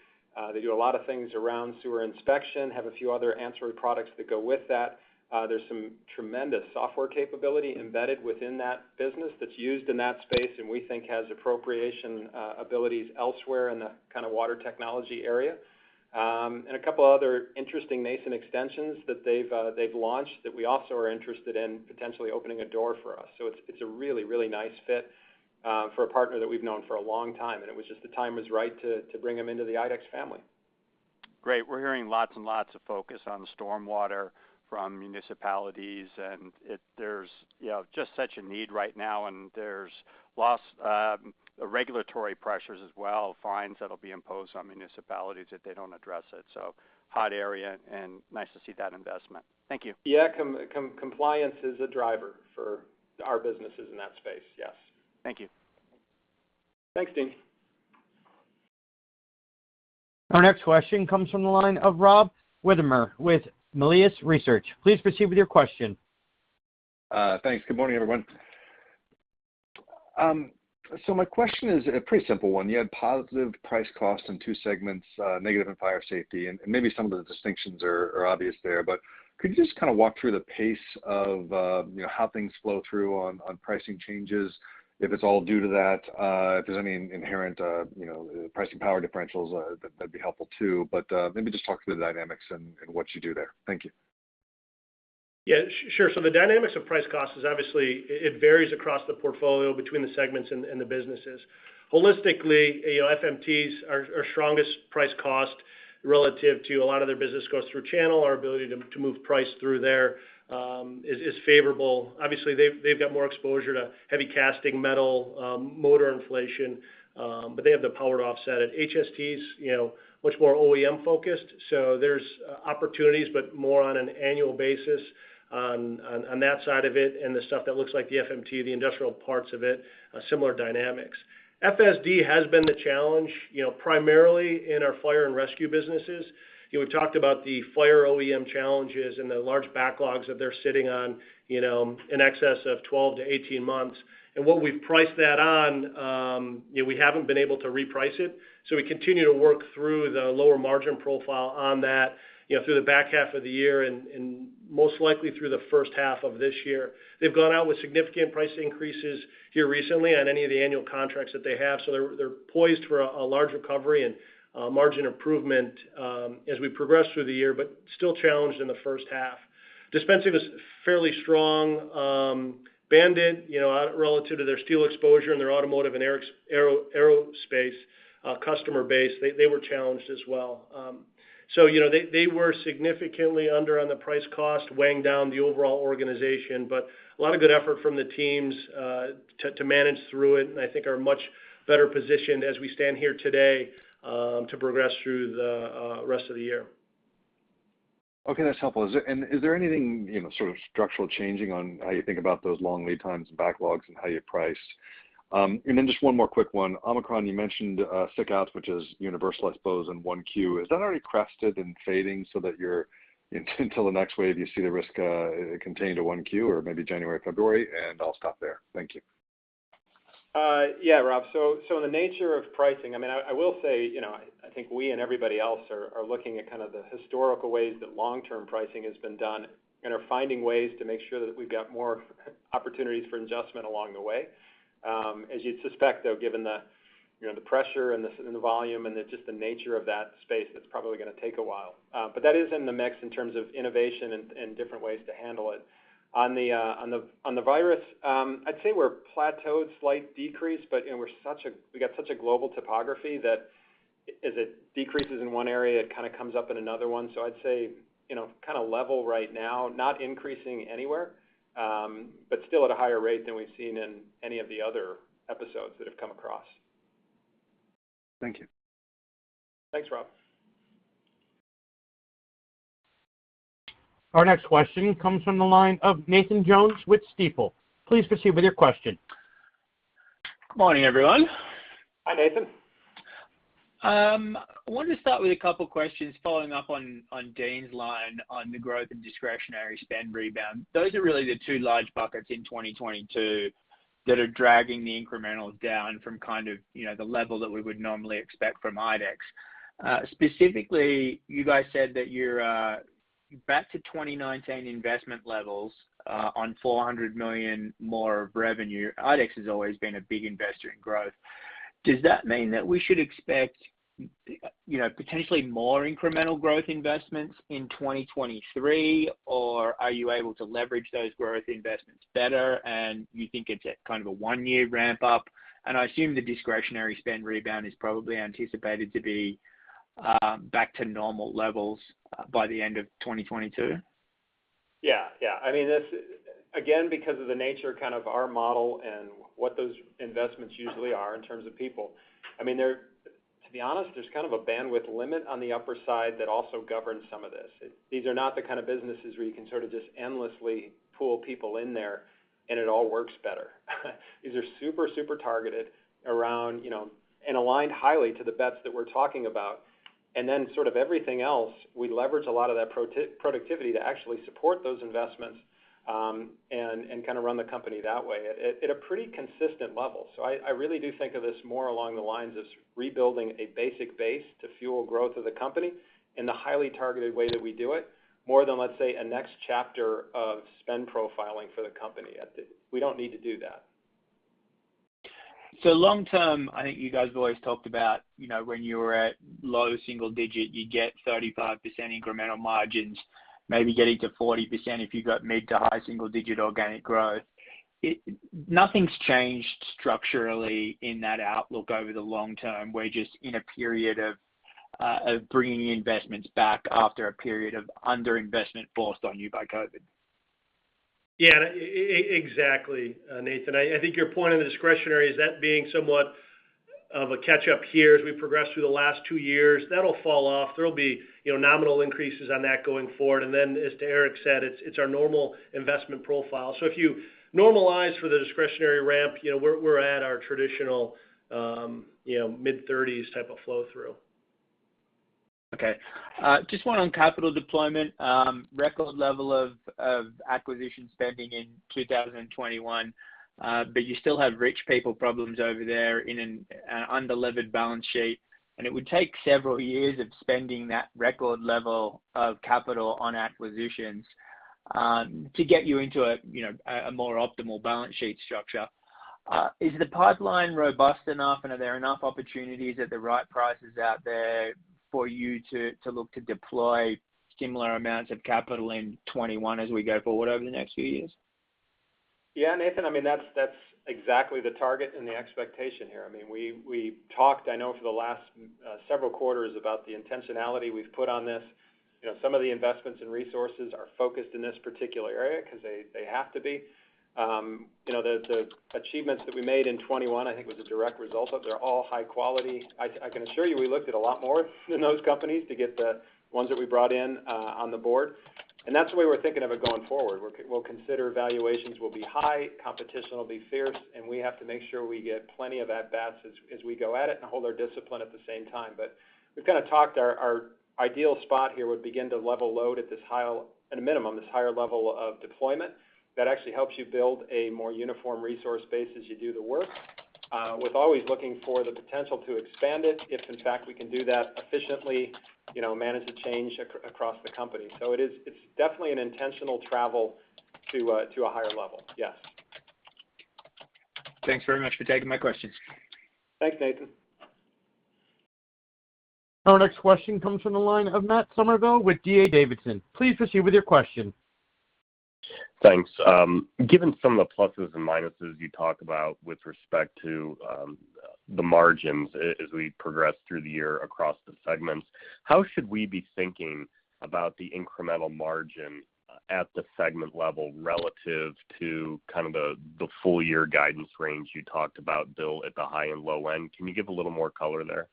They do a lot of things around sewer inspection, have a few other ancillary products that go with that. There's some tremendous software capability embedded within that business that's used in that space and we think has application abilities elsewhere in the kind of water technology area. A couple other interesting nascent extensions that they've launched that we also are interested in potentially opening a door for us. It's a really nice fit for a partner that we've known for a long time. It was just the time was right to bring them into the IDEX family. Great. We're hearing lots and lots of focus on stormwater from municipalities, and there's, you know, just such a need right now. There's lots, regulatory pressures as well, fines that will be imposed on municipalities if they don't address it. Hot area and nice to see that investment. Thank you. Yeah. Compliance is a driver for our businesses in that space. Yes. Thank you. Thanks, Deane. Our next question comes from the line of Rob Wertheimer with Melius Research. Please proceed with your question. Thanks. Good morning, everyone. So my question is a pretty simple one. You had positive price cost in 2 segments, negative in Fire & Safety, and maybe some of the distinctions are obvious there, but could you just kind of walk through the pace of, you know, how things flow through on pricing changes, if it's all due to that, if there's any inherent, you know, pricing power differentials, that'd be helpful too. Maybe just talk through the dynamics and what you do there. Thank you. Yeah, sure. The dynamics of price cost is obviously it varies across the portfolio between the segments and the businesses. Holistically, FMTs our strongest price cost relative to a lot of their business goes through channel. Our ability to move price through there is favorable. Obviously, they've got more exposure to heavy casting metal, material inflation, but they have the power to offset it. HST's much more OEM-focused, so there's opportunities, but more on an annual basis on that side of it, and the stuff that looks like the FMT, the industrial parts of it, similar dynamics. FSD has been the challenge, primarily in our fire and rescue businesses. You know, we talked about the fire OEM challenges and the large backlogs that they're sitting on, you know, in excess of 12-18 months. What we've priced that on, you know, we haven't been able to reprice it, so we continue to work through the lower margin profile on that, you know, through the back half of the year and most likely through the first half of this year. They've gone out with significant price increases here recently on any of the annual contracts that they have, so they're poised for a large recovery and margin improvement as we progress through the year, but still challenged in the 1st half. Dispensing was fairly strong. BAND-IT, you know, relative to their steel exposure and their automotive and aerospace customer base, they were challenged as well. You know, they were significantly under on the price cost, weighing down the overall organization, but a lot of good effort from the teams to manage through it, and I think are much better positioned as we stand here today to progress through the rest of the year. Okay, that's helpful. Is there anything, you know, sort of structural changing on how you think about those long lead times and backlogs and how you price? And then just one more quick one. Omicron, you mentioned, sick outs, which is universal, I suppose, in 1Q. Is that already crested and fading so that you're, until the next wave, you see the risk, contained to 1Q or maybe January, February? I'll stop there. Thank you. Yeah, Rob. The nature of pricing, I mean, I will say, you know, I think we and everybody else are looking at kind of the historical ways that long-term pricing has been done and are finding ways to make sure that we've got more opportunities for adjustment along the way. As you'd suspect, though, given the, you know, the pressure and the volume and just the nature of that space, that's probably gonna take a while. That is in the mix in terms of innovation and different ways to handle it. On the virus, I'd say we're plateaued, slight decrease, but, you know, we got such a global footprint that as it decreases in one area, it kind of comes up in another one. I'd say, you know, kind of level right now, not increasing anywhere, but still at a higher rate than we've seen in any of the other episodes that have come across. Thank you. Thanks, Rob. Our next question comes from the line of Nathan Jones with Stifel. Please proceed with your question. Good morning, everyone. Hi, Nathan. I wanted to start with a couple questions following up on Deane's line on the growth and discretionary spend rebound. Those are really the two large buckets in 2022 that are dragging the incrementals down from kind of, you know, the level that we would normally expect from IDEX. Specifically, you guys said that you're back to 2019 investment levels on $400 million more of revenue. IDEX has always been a big investor in growth. Does that mean that we should expect, you know, potentially more incremental growth investments in 2023? Or are you able to leverage those growth investments better and you think it's a kind of a 1-year ramp-up? I assume the discretionary spend rebound is probably anticipated to be back to normal levels by the end of 2022? Yeah. Yeah. I mean, this again, because of the nature, kind of our model and what those investments usually are in terms of people, I mean, there to be honest, there's kind of a bandwidth limit on the upper side that also governs some of this. These are not the kind of businesses where you can sort of just endlessly pool people in there and it all works better. These are super targeted around, you know, and aligned highly to the bets that we're talking about. Then sort of everything else, we leverage a lot of that productivity to actually support those investments, and kind of run the company that way at a pretty consistent level. I really do think of this more along the lines as rebuilding a basic base to fuel growth of the company in the highly targeted way that we do it, more than, let's say, a next chapter of spend profiling for the company. We don't need to do that. Long term, I think you guys have always talked about, you know, when you're at low single-digit, you get 35% incremental margins, maybe getting to 40% if you've got mid- to high single-digit organic growth. Nothing's changed structurally in that outlook over the long term. We're just in a period of bringing the investments back after a period of under-investment forced on you by COVID. Yeah, exactly, Nathan. I think your point on the discretionary is that being somewhat of a catch-up here as we progress through the last 2 years. That'll fall off. There'll be, you know, nominal increases on that going forward. As Eric said, it's our normal investment profile. If you normalize for the discretionary ramp, you know, we're at our traditional, mid-thirties type of flow through. Okay. Just one on capital deployment. Record level of acquisition spending in 2021. But you still have rich people problems over there in an unlevered balance sheet, and it would take several years of spending that record level of capital on acquisitions to get you into a you know a more optimal balance sheet structure. Is the pipeline robust enough and are there enough opportunities at the right prices out there for you to look to deploy similar amounts of capital in 2021 as we go forward over the next few years? Yeah, Nathan, I mean, that's exactly the target and the expectation here. I mean, we talked, I know for the last several quarters about the intentionality we've put on this. You know, some of the investments and resources are focused in this particular area because they have to be. You know, the achievements that we made in 2021, I think was a direct result of they're all high quality. I can assure you, we looked at a lot more than those companies to get the ones that we brought in on the board, and that's the way we're thinking of it going forward. We'll consider valuations will be high, competition will be fierce, and we have to make sure we get plenty of at bats as we go at it and hold our discipline at the same time. We've kind of talked about our ideal spot here would begin to level load at this high at a minimum, this higher level of deployment that actually helps you build a more uniform resource base as you do the work, with always looking for the potential to expand it if in fact we can do that efficiently, you know, manage the change across the company. It's definitely an intentional travel to a higher level. Yes. Thanks very much for taking my questions. Thanks, Nathan. Our next question comes from the line of Matt Summerville with D.A. Davidson. Please proceed with your question. Thanks. Given some of the pluses and minuses you talk about with respect to the margins as we progress through the year across the segments, how should we be thinking about the incremental margin at the segment level relative to kind of the full year guidance range you talked about, Bill, at the high and low end? Can you give a little more color there?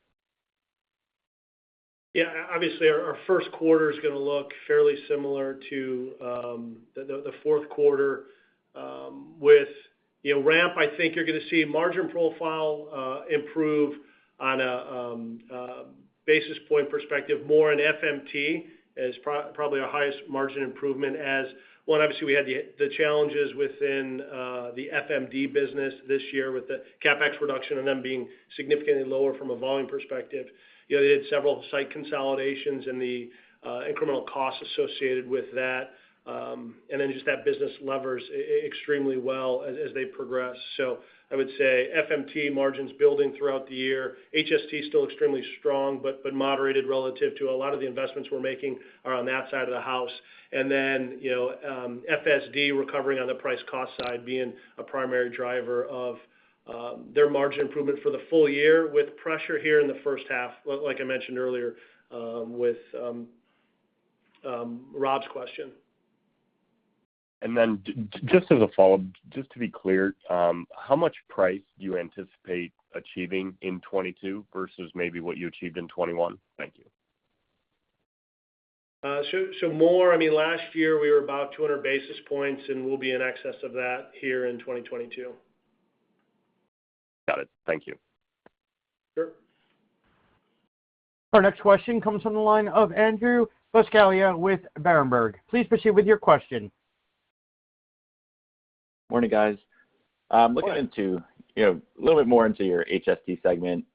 Yeah. Obviously, our 1st quarter is gonna look fairly similar to the 4th quarter with, you know, ramp. I think you're gonna see margin profile improve on a basis point perspective, more in FMT as probably our highest margin improvement. Well, obviously we had the challenges within the FMD business this year with the CapEx reduction and them being significantly lower from a volume perspective. You know, they had several site consolidations and the incremental costs associated with that. And then just that business levers extremely well as they progress. So I would say FMT margins building throughout the year. HST is still extremely strong, but moderated relative to a lot of the investments we're making are on that side of the house. Then, you know, FSD recovering on the price cost side being a primary driver of their margin improvement for the full year with pressure here in the first half, like I mentioned earlier, with Rob's question. Just as a follow-up, just to be clear, how much pricing do you anticipate achieving in 2022 versus maybe what you achieved in 2021? Thank you. I mean, last year we were about 200 basis points, and we'll be in excess of that here in 2022. Got it. Thank you. Sure. Our next question comes from the line of Andrew Buscaglia with Berenberg. Please proceed with your question. Morning, guys. Morning. I'm looking into, you know, a little bit more into your HST segment,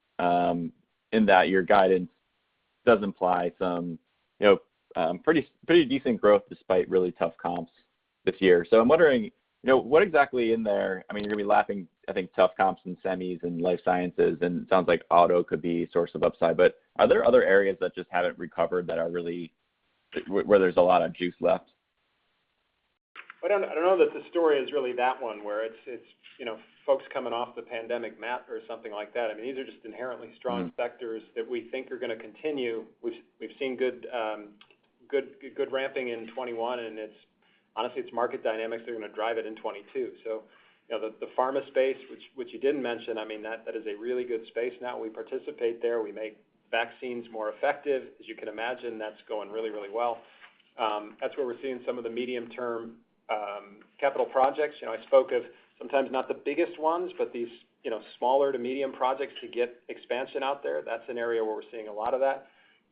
in that your guidance does imply some, you know, pretty decent growth despite really tough comps this year. I'm wondering, you know, what exactly in there. I mean, you're gonna be lapping, I think, tough comps in semis and life sciences, and it sounds like auto could be a source of upside. Are there other areas that just haven't recovered that are really where there's a lot of juice left? I don't know that the story is really that one where it's, you know, folks coming off the pandemic map or something like that. I mean, these are just inherently strong- Mm-hmm Sectors that we think are gonna continue. We've seen good ramping in 2021, and honestly, it's market dynamics that are gonna drive it in 2022. You know, the pharma space, which you didn't mention, I mean, that is a really good space now. We participate there. We make vaccines more effective. As you can imagine, that's going really well. That's where we're seeing some of the medium-term capital projects. You know, I spoke of sometimes not the biggest ones, but these smaller to medium projects to get expansion out there. That's an area where we're seeing a lot of that.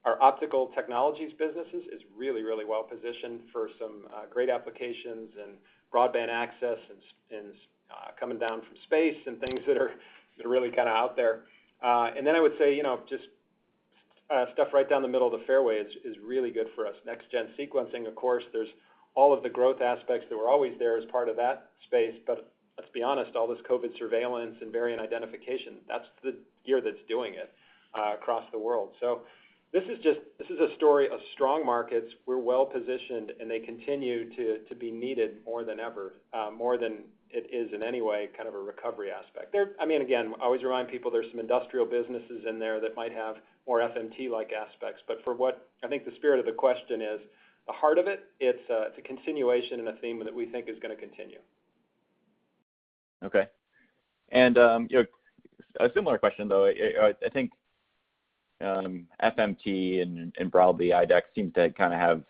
Our optical technologies businesses is really, really well positioned for some great applications and broadband access and coming down from space and things that are really kind of out there. I would say, you know, just stuff right down the middle of the fairway is really good for us. Next gen sequencing, of course, there's all of the growth aspects that were always there as part of that space. Let's be honest, all this COVID surveillance and variant identification, that's the gear that's doing it across the world. This is a story of strong markets. We're well-positioned, and they continue to be needed more than ever, more than it is in any way kind of a recovery aspect. I mean, again, I always remind people there's some industrial businesses in there that might have more FMT-like aspects. For what I think the spirit of the question is, the heart of it's a continuation and a theme that we think is gonna continue. Okay. You know, a similar question, though. I think FMT and broadly IDEX seems to kind of have-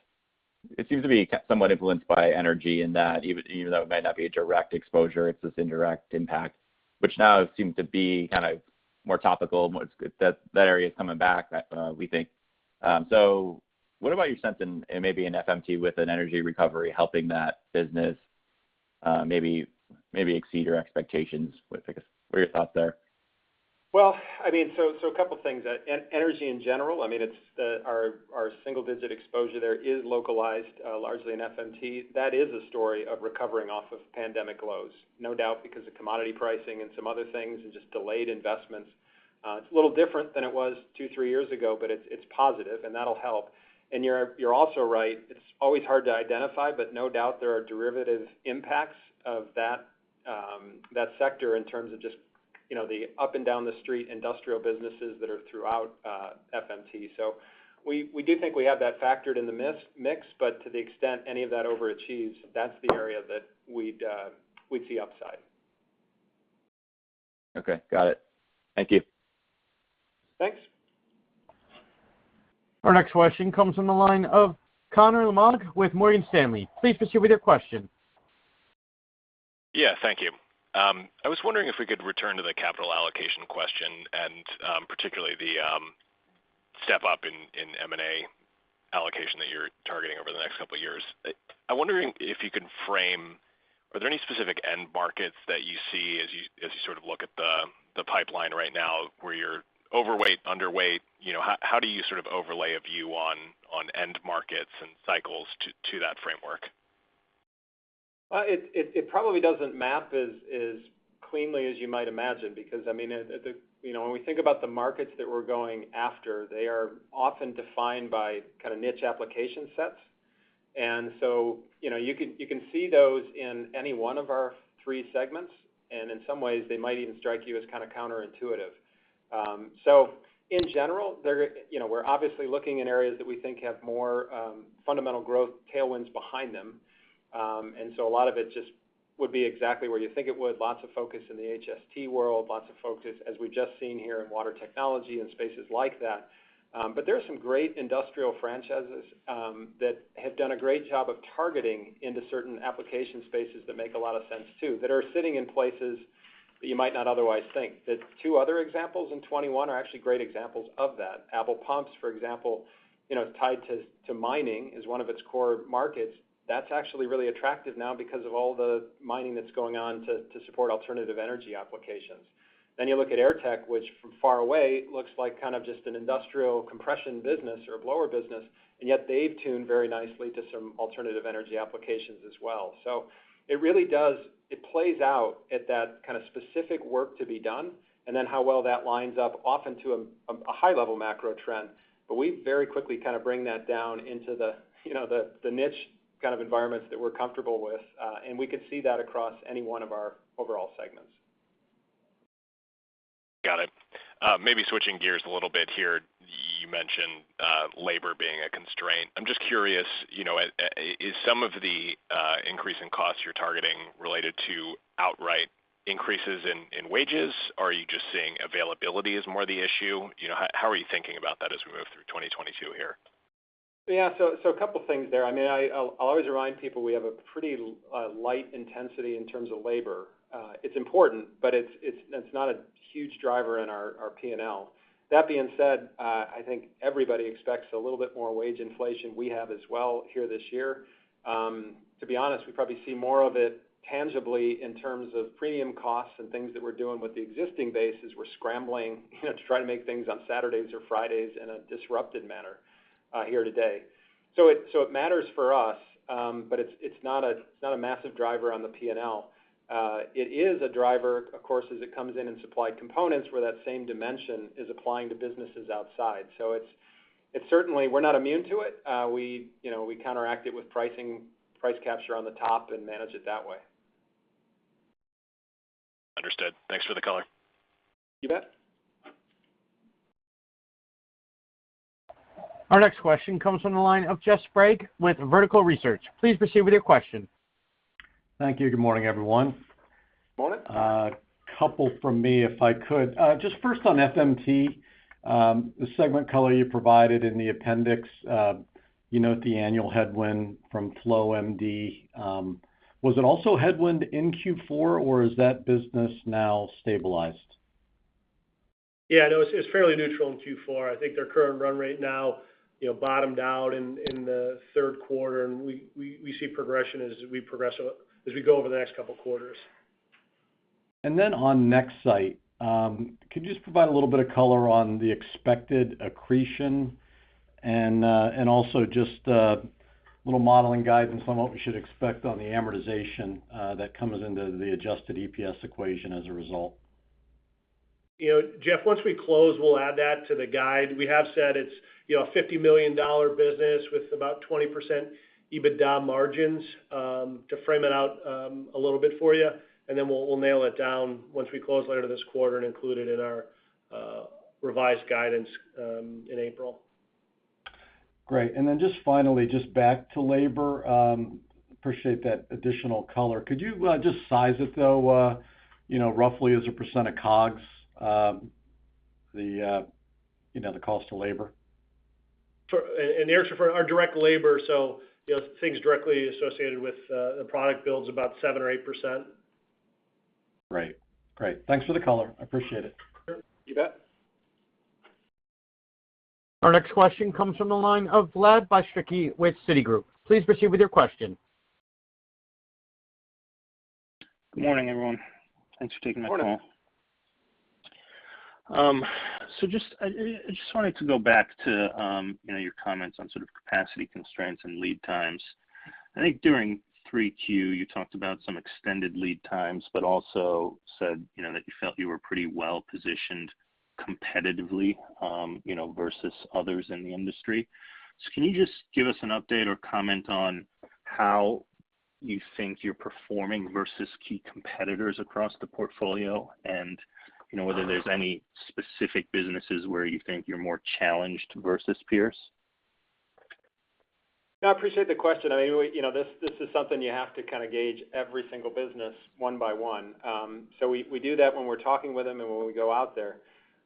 It seems to be somewhat influenced by energy in that even though it might not be a direct exposure, it's this indirect impact, which now seems to be kind of more topical, more that area is coming back, we think. So what about your sense in maybe an FMT with an energy recovery helping that business, maybe exceed your expectations with, I guess. What are your thoughts there? Well, I mean, a couple things. Energy in general, I mean, it's our single-digit exposure there is localized largely in FMT. That is a story of recovering off of pandemic lows, no doubt because of commodity pricing and some other things and just delayed investments. It's a little different than it was two, three years ago, but it's positive, and that'll help. You're also right. It's always hard to identify, but no doubt there are derivative impacts of that sector in terms of just, you know, the up and down the street industrial businesses that are throughout FMT. We do think we have that factored in the mix, but to the extent any of that overachieves, that's the area that we'd see upside. Okay. Got it. Thank you. Thanks. Our next question comes from the line of Connor Lynagh with Morgan Stanley. Please proceed with your question. Yeah. Thank you. I was wondering if we could return to the capital allocation question and, particularly the step-up in M&A allocation that you're targeting over the next couple of years. I'm wondering if you could frame, are there any specific end markets that you see as you sort of look at the pipeline right now where you're overweight, underweight? You know, how do you sort of overlay a view on end markets and cycles to that framework? Well, it probably doesn't map as cleanly as you might imagine because, I mean, you know, when we think about the markets that we're going after, they are often defined by kind of niche application sets. You know, you can see those in any one of our three segments, and in some ways, they might even strike you as kind of counterintuitive. In general, you know, we're obviously looking in areas that we think have more fundamental growth tailwinds behind them. A lot of it just would be exactly where you think it would. Lots of focus in the HST world, lots of focus, as we've just seen here in water technology and spaces like that. There are some great industrial franchises that have done a great job of targeting into certain application spaces that make a lot of sense too, that are sitting in places that you might not otherwise think. The two other examples in 2021 are actually great examples of that. ABEL Pumps, for example, you know, tied to mining is one of its core markets. That's actually really attractive now because of all the mining that's going on to support alternative energy applications. You look at Airtech, which from far away looks like kind of just an industrial compression business or a blower business, and yet they've tuned very nicely to some alternative energy applications as well. It really does. It plays out at that kind of specific work to be done and then how well that lines up often to a high level macro trend. We very quickly kind of bring that down into the, you know, niche kind of environments that we're comfortable with, and we can see that across any one of our overall segments. Got it. Maybe switching gears a little bit here. You mentioned labor being a constraint. I'm just curious, is some of the increase in costs you're targeting related to outright increases in wages, or are you just seeing availability as more the issue? How are you thinking about that as we move through 2022 here? Yeah. A couple things there. I mean, I'll always remind people we have a pretty light intensity in terms of labor. It's important, but it's not a huge driver in our P&L. That being said, I think everybody expects a little bit more wage inflation. We have as well here this year. To be honest, we probably see more of it tangibly in terms of premium costs and things that we're doing with the existing bases. We're scrambling, you know, to try to make things on Saturdays or Fridays in a disrupted manner here today. So it matters for us, but it's not a massive driver on the P&L. It is a driver, of course, as it comes in supply components where that same dimension is applying to businesses outside. It's certainly. We're not immune to it. You know, we counteract it with pricing, price capture on the top and manage it that way. Understood. Thanks for the color. You bet. Our next question comes from the line of Jeff Sprague with Vertical Research. Please proceed with your question. Thank you. Good morning, everyone. Morning. A couple from me, if I could. Just first on FMT, the segment color you provided in the appendix, you note the annual headwind from Flow MD. Was it also headwind in Q4, or is that business now stabilized? Yeah. No, it's fairly neutral in Q4. I think their current run rate now, you know, bottomed out in the third quarter, and we see progression as we go over the next couple quarters. On Nexsight, could you just provide a little bit of color on the expected accretion and also just a little modeling guidance on what we should expect on the amortization that comes into the adjusted EPS equation as a result? You know, Jeff, once we close, we'll add that to the guide. We have said it's, you know, a $50 million business with about 20% EBITDA margins to frame it out a little bit for you. We'll nail it down once we close later this quarter and include it in our revised guidance in April. Great. Just finally, just back to labor, appreciate that additional color. Could you just size it though, you know, roughly as a % of COGS? The, you know, the cost of labor. Eric, for our direct labor, so, you know, things directly associated with the product build's about 7% or 8%? Right. Great. Thanks for the color. I appreciate it. Sure. You bet. Our next question comes from the line of Vladimir Bystricky with Citigroup. Please proceed with your question. Good morning, everyone. Thanks for taking my call. Morning. I just wanted to go back to, you know, your comments on sort of capacity constraints and lead times. I think during 3Q, you talked about some extended lead times, but also said, you know, that you felt you were pretty well positioned competitively, you know, versus others in the industry. Can you just give us an update or comment on how you think you're performing versus key competitors across the portfolio and, you know, whether there's any specific businesses where you think you're more challenged versus peers? No, I appreciate the question. I mean, you know, this is something you have to kind of gauge every single business 1 by 1. So we do that when we're talking with them and when we go out there.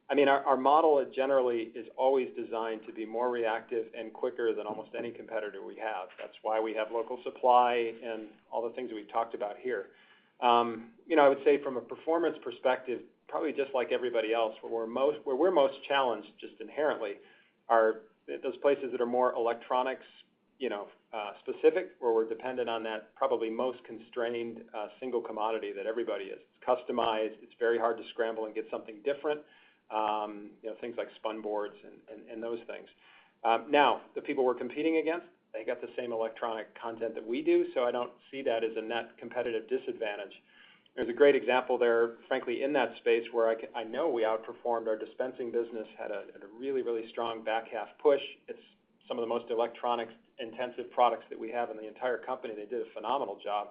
I mean, our model generally is always designed to be more reactive and quicker than almost any competitor we have. That's why we have local supply and all the things that we've talked about here. You know, I would say from a performance perspective, probably just like everybody else, where we're most challenged, just inherently, are those places that are more electronics specific, where we're dependent on that probably most constrained single commodity that everybody is. It's customized, it's very hard to scramble and get something different, you know, things like PC boards and those things. Now, the people we're competing against, they got the same electronic content that we do, so I don't see that as a net competitive disadvantage. There's a great example there, frankly, in that space where I know we outperformed. Our dispensing business had a really strong back half push. It's some of the most electronic intensive products that we have in the entire company, and they did a phenomenal job,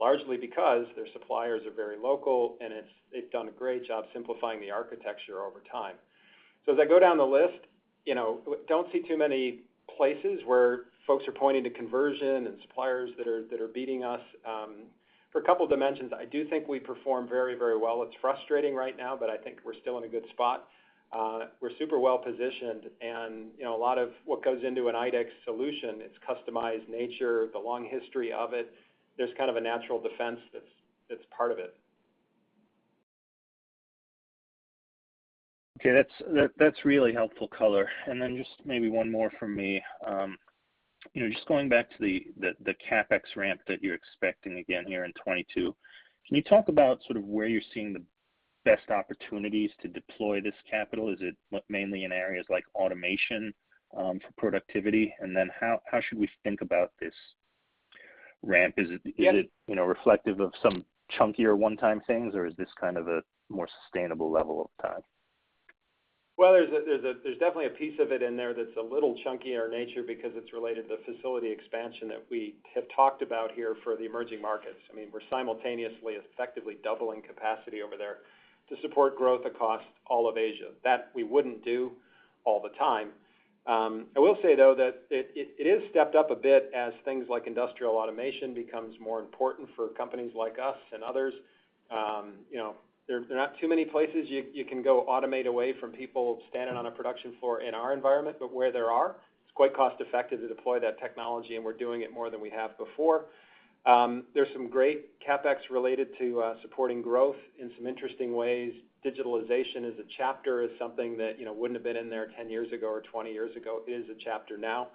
largely because their suppliers are very local, and they've done a great job simplifying the architecture over time. So as I go down the list, you know, don't see too many places where folks are pointing to conversion and suppliers that are beating us. For a couple dimensions, I do think we perform very, very well. It's frustrating right now, but I think we're still in a good spot. We're super well positioned and, you know, a lot of what goes into an IDEX solution, its customized nature, the long history of it. There's kind of a natural defense that's part of it. Okay. That's really helpful color. Just maybe one more from me. You know, just going back to the CapEx ramp that you're expecting again here in 2022. Can you talk about sort of where you're seeing the best opportunities to deploy this capital? Is it mainly in areas like automation for productivity? How should we think about this ramp? Yeah. Is it, you know, reflective of some chunkier 1-time things, or is this kind of a more sustainable level over time? Well, there's definitely a piece of it in there that's a little chunkier in nature because it's related to facility expansion that we have talked about here for the emerging markets. I mean, we're simultaneously effectively doubling capacity over there to support growth across all of Asia. That we wouldn't do all the time. I will say, though, that it is stepped up a bit as things like industrial automation becomes more important for companies like us and others. You know, there are not too many places you can go automate away from people standing on a production floor in our environment, but where there are, it's quite cost-effective to deploy that technology, and we're doing it more than we have before. There's some great CapEx related to supporting growth in some interesting ways. Digitalization as a chapter is something that, you know, wouldn't have been in there 10 years ago or 20 years ago, is a chapter now.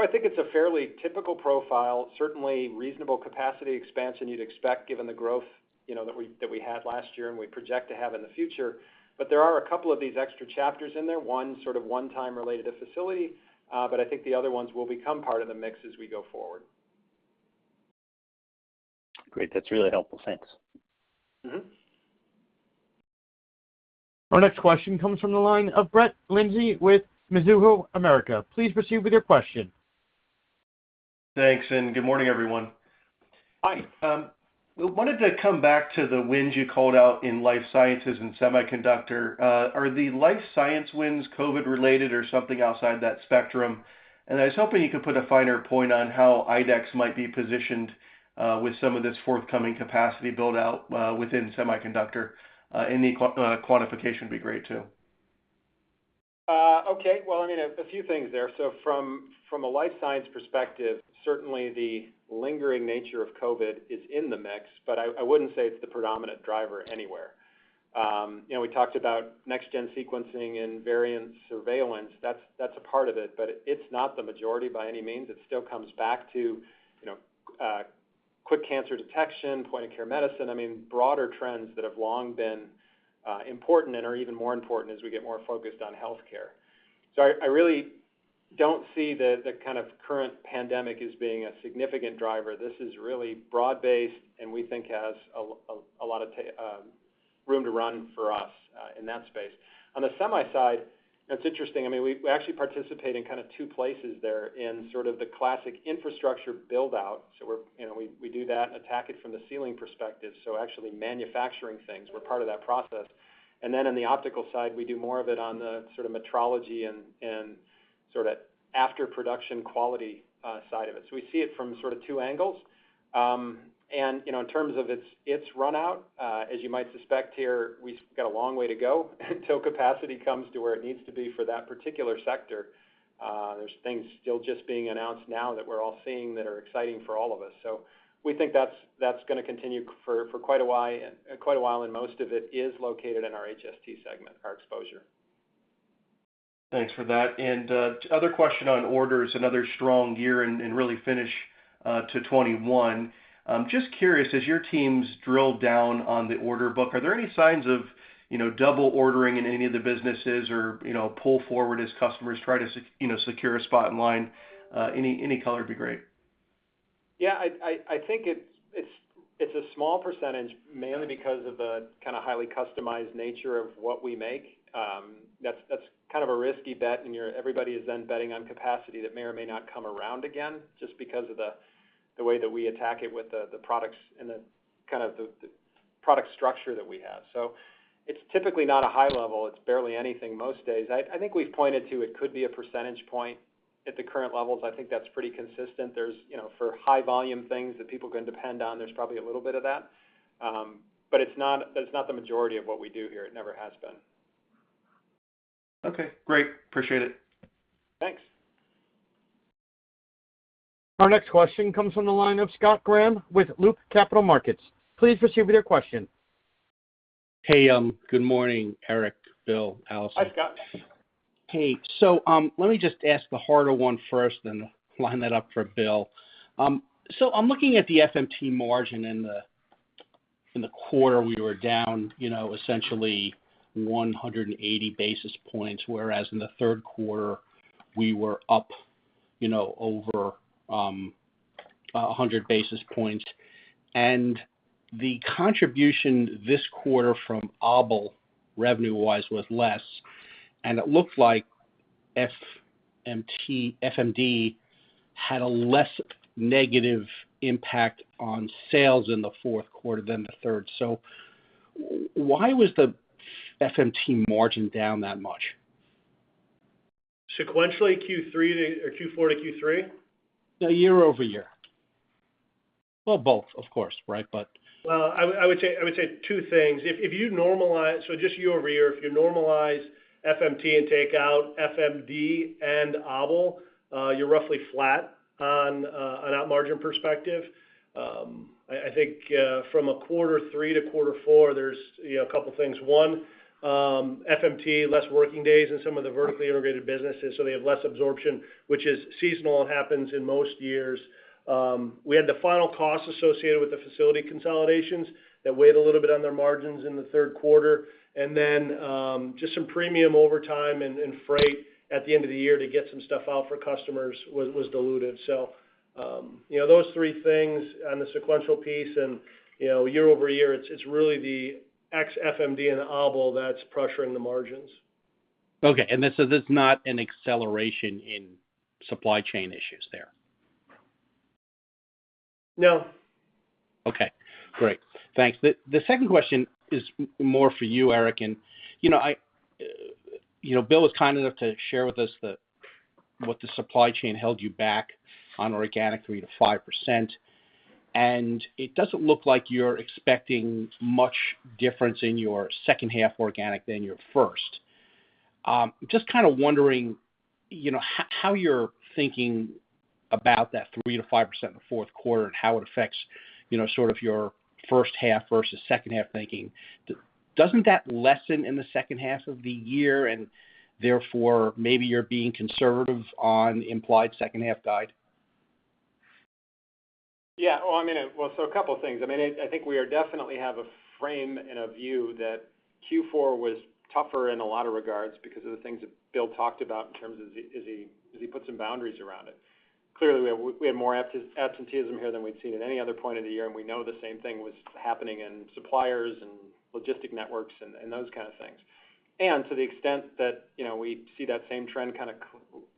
I think it's a fairly typical profile, certainly reasonable capacity expansion you'd expect given the growth, you know, that we had last year and we project to have in the future. There are a couple of these extra chapters in there, one sort of one time related to facility, but I think the other ones will become part of the mix as we go forward. Great. That's really helpful. Thanks. Mm-hmm. Our next question comes from the line of Brett Linzey with Mizuho Americas. Please proceed with your question. Thanks, and good morning, everyone. Hi. I wanted to come back to the wins you called out in life sciences and semiconductor. Are the life science wins COVID related or something outside that spectrum? I was hoping you could put a finer point on how IDEX might be positioned with some of this forthcoming capacity build out within semiconductor. Any quantification would be great too. Okay. Well, I mean, a few things there. From a life science perspective, certainly the lingering nature of COVID is in the mix, but I wouldn't say it's the predominant driver anywhere. You know, we talked about next gen sequencing and variant surveillance. That's a part of it, but it's not the majority by any means. It still comes back to, you know, quick cancer detection, point of care medicine. I mean, broader trends that have long been important and are even more important as we get more focused on healthcare. I really don't see the kind of current pandemic as being a significant driver. This is really broad-based and we think has a lot of room to run for us in that space. On the semi side, it's interesting. I mean, we actually participate in kind of two places there in sort of the classic infrastructure build-out. We're, you know, we do that and attack it from the sealing perspective, so actually manufacturing things, we're part of that process. Then in the optical side, we do more of it on the sort of metrology and sort of after production quality side of it. We see it from sort of two angles. You know, in terms of its run rate, as you might suspect here, we've got a long way to go until capacity comes to where it needs to be for that particular sector. There's things still just being announced now that we're all seeing that are exciting for all of us. We think that's gonna continue for quite a while, and most of it is located in our HST segment, our exposure. Thanks for that. Other question on orders, another strong year and really finish to 2021. Just curious, as your teams drill down on the order book, are there any signs of, you know, double ordering in any of the businesses or, you know, pull forward as customers try to secure a spot in line? Any color would be great. Yeah. I think it's a small percentage mainly because of the kind of highly customized nature of what we make. That's kind of a risky bet, and everybody is then betting on capacity that may or may not come around again, just because of the way that we attack it with the products and the kind of product structure that we have. It's typically not a high level. It's barely anything most days. I think we've pointed to it could be a percentage point. At the current levels, I think that's pretty consistent. There's, you know, for high volume things that people can depend on, there's probably a little bit of that. But it's not the majority of what we do here. It never has been. Okay, great. Appreciate it. Thanks. Our next question comes from the line of Scott Graham with Loop Capital Markets. Please proceed with your question. Hey, good morning, Eric, Bill, Allison. Hi, Scott. Hey. Let me just ask the harder one 1st, then line that up for Bill. I'm looking at the FMT margin in the quarter, we were down essentially 180 basis points, whereas in the 3rd quarter we were up over 100 basis points. The contribution this quarter from ABEL revenue wise was less. It looked like FMT FMD had a less negative impact on sales in the 4th quarter than the third. Why was the FMT margin down that much? Sequentially, Q3 to Q4 or Q4 to Q3? No, year-over-year. Well, both, of course, right, but. Well, I would say two things. If you normalize. So just year-over-year, if you normalize FMT and take out FMD and ABEL, you're roughly flat on that margin perspective. I think from a quarter 3 to quarter 4, there's you know a couple things. One, FMT, less working days in some of the vertically integrated businesses, so they have less absorption, which is seasonal and happens in most years. We had the final cost associated with the facility consolidations that weighed a little bit on their margins in the 3rd quarter. And then, just some premium overtime and freight at the end of the year to get some stuff out for customers was diluted. You know, those three things on the sequential piece and, you know, year-over-year, it's really the ex FMD and ABEL that's pressuring the margins. Okay. It's not an acceleration in supply chain issues there? No. Okay, great. Thanks. The 2nd question is more for you, Eric. You know, Bill was kind enough to share with us what the supply chain held you back on organic 3%-5%, and it doesn't look like you're expecting much difference in your 2nd half organic than your 1st. Just kind of wondering, how you're thinking about that 3%-5% in the 4th quarter and how it affects, sort of your first half versus 2nd half thinking. Doesn't that lessen in the 2nd half of the year and therefore maybe you're being conservative on implied second half guide? Yeah. Well, I mean, well, a couple things. I mean, I think we definitely have a frame and a view that Q4 was tougher in a lot of regards because of the things that Bill talked about in terms of as he put some boundaries around it. Clearly, we had more absenteeism here than we'd seen at any other point in the year, and we know the same thing was happening in suppliers and logistic networks and those kind of things. To the extent that, you know, we see that same trend kind of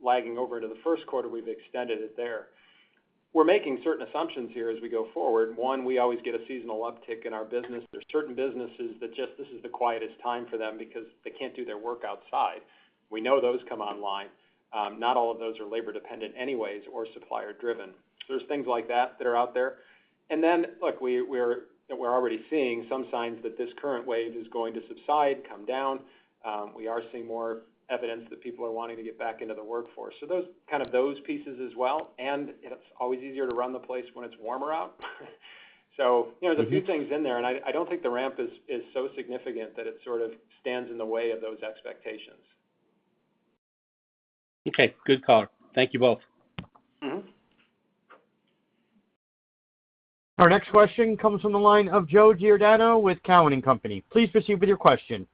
lagging over to the 1st quarter, we've extended it there. We're making certain assumptions here as we go forward. One, we always get a seasonal uptick in our business. There's certain businesses that just, this is the quietest time for them because they can't do their work outside. We know those come online. Not all of those are labor dependent anyways or supplier driven. There's things like that that are out there. Look, we're already seeing some signs that this current wave is going to subside, come down. We are seeing more evidence that people are wanting to get back into the workforce. Those kind of those pieces as well, and it's always easier to run the place when it's warmer out. You know, there's a few things in there, and I don't think the ramp is so significant that it sort of stands in the way of those expectations. Okay. Good call. Thank you both. Mm-hmm. Our next question comes from the line of Joe Giordano with Cowen and Company. Please proceed with your question.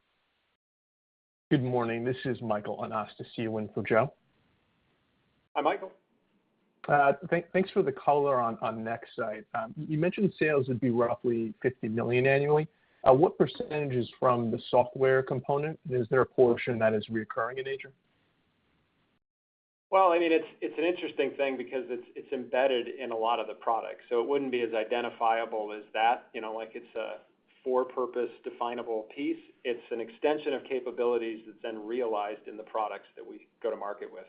Good morning. This is Michael Anastasiou for Joe. Hi, Michael. Thanks for the color on Nexsight. You mentioned sales would be roughly $50 million annually. What percentage is from the software component? Is there a portion that is recurring in nature? Well, I mean, it's an interesting thing because it's embedded in a lot of the products, so it wouldn't be as identifiable as that, you know, like it's a fit-for-purpose definable piece. It's an extension of capabilities that's then realized in the products that we go to market with.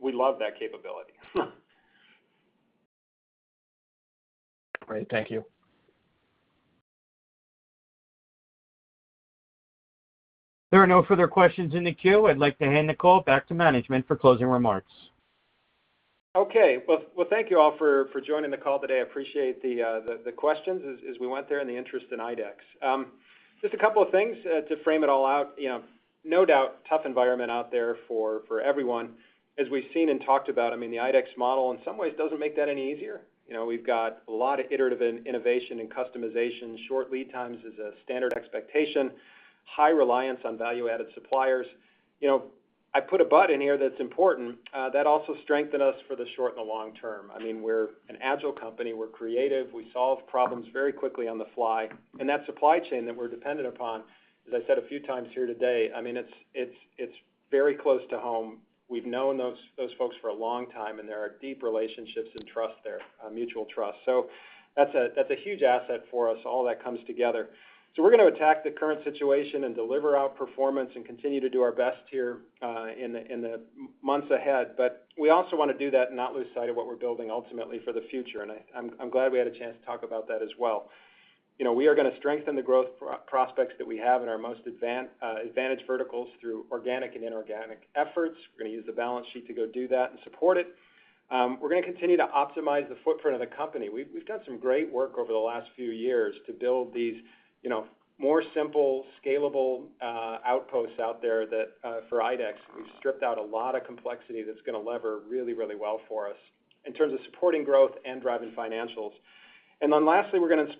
We love that capability. Great. Thank you. There are no further questions in the queue. I'd like to hand the call back to management for closing remarks. Okay. Well, thank you all for joining the call today. I appreciate the questions as we went there and the interest in IDEX. Just a couple of things to frame it all out. You know, no doubt, tough environment out there for everyone. As we've seen and talked about, I mean, the IDEX model in some ways doesn't make that any easier. You know, we've got a lot of iterative innovation and customization. Short lead times is a standard expectation, high reliance on value-added suppliers. You know, I put a but in here that's important, that also strengthen us for the short and the long term. I mean, we're an agile company. We're creative. We solve problems very quickly on the fly. That supply chain that we're dependent upon, as I said a few times here today, I mean, it's very close to home. We've known those folks for a long time, and there are deep relationships and trust there, a mutual trust. That's a huge asset for us, all that comes together. We're gonna attack the current situation and deliver our performance and continue to do our best here in the months ahead. We also wanna do that and not lose sight of what we're building ultimately for the future, and I'm glad we had a chance to talk about that as well. We are gonna strengthen the growth prospects that we have in our most advantage verticals through organic and inorganic efforts. We're gonna use the balance sheet to go do that and support it. We're gonna continue to optimize the footprint of the company. We've done some great work over the last few years to build these, you know, more simple, scalable, outposts out there that for IDEX. We've stripped out a lot of complexity that's gonna lever really well for us in terms of supporting growth and driving financials. Then lastly, we're gonna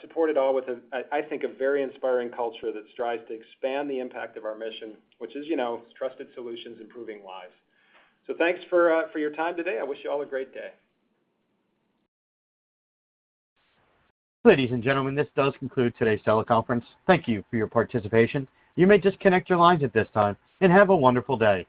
support it all with I think a very inspiring culture that strives to expand the impact of our mission, which is, you know, trusted solutions, improving lives. Thanks for your time today. I wish you all a great day. Ladies and gentlemen, this does conclude today's teleconference. Thank you for your participation. You may disconnect your lines at this time, and have a wonderful day.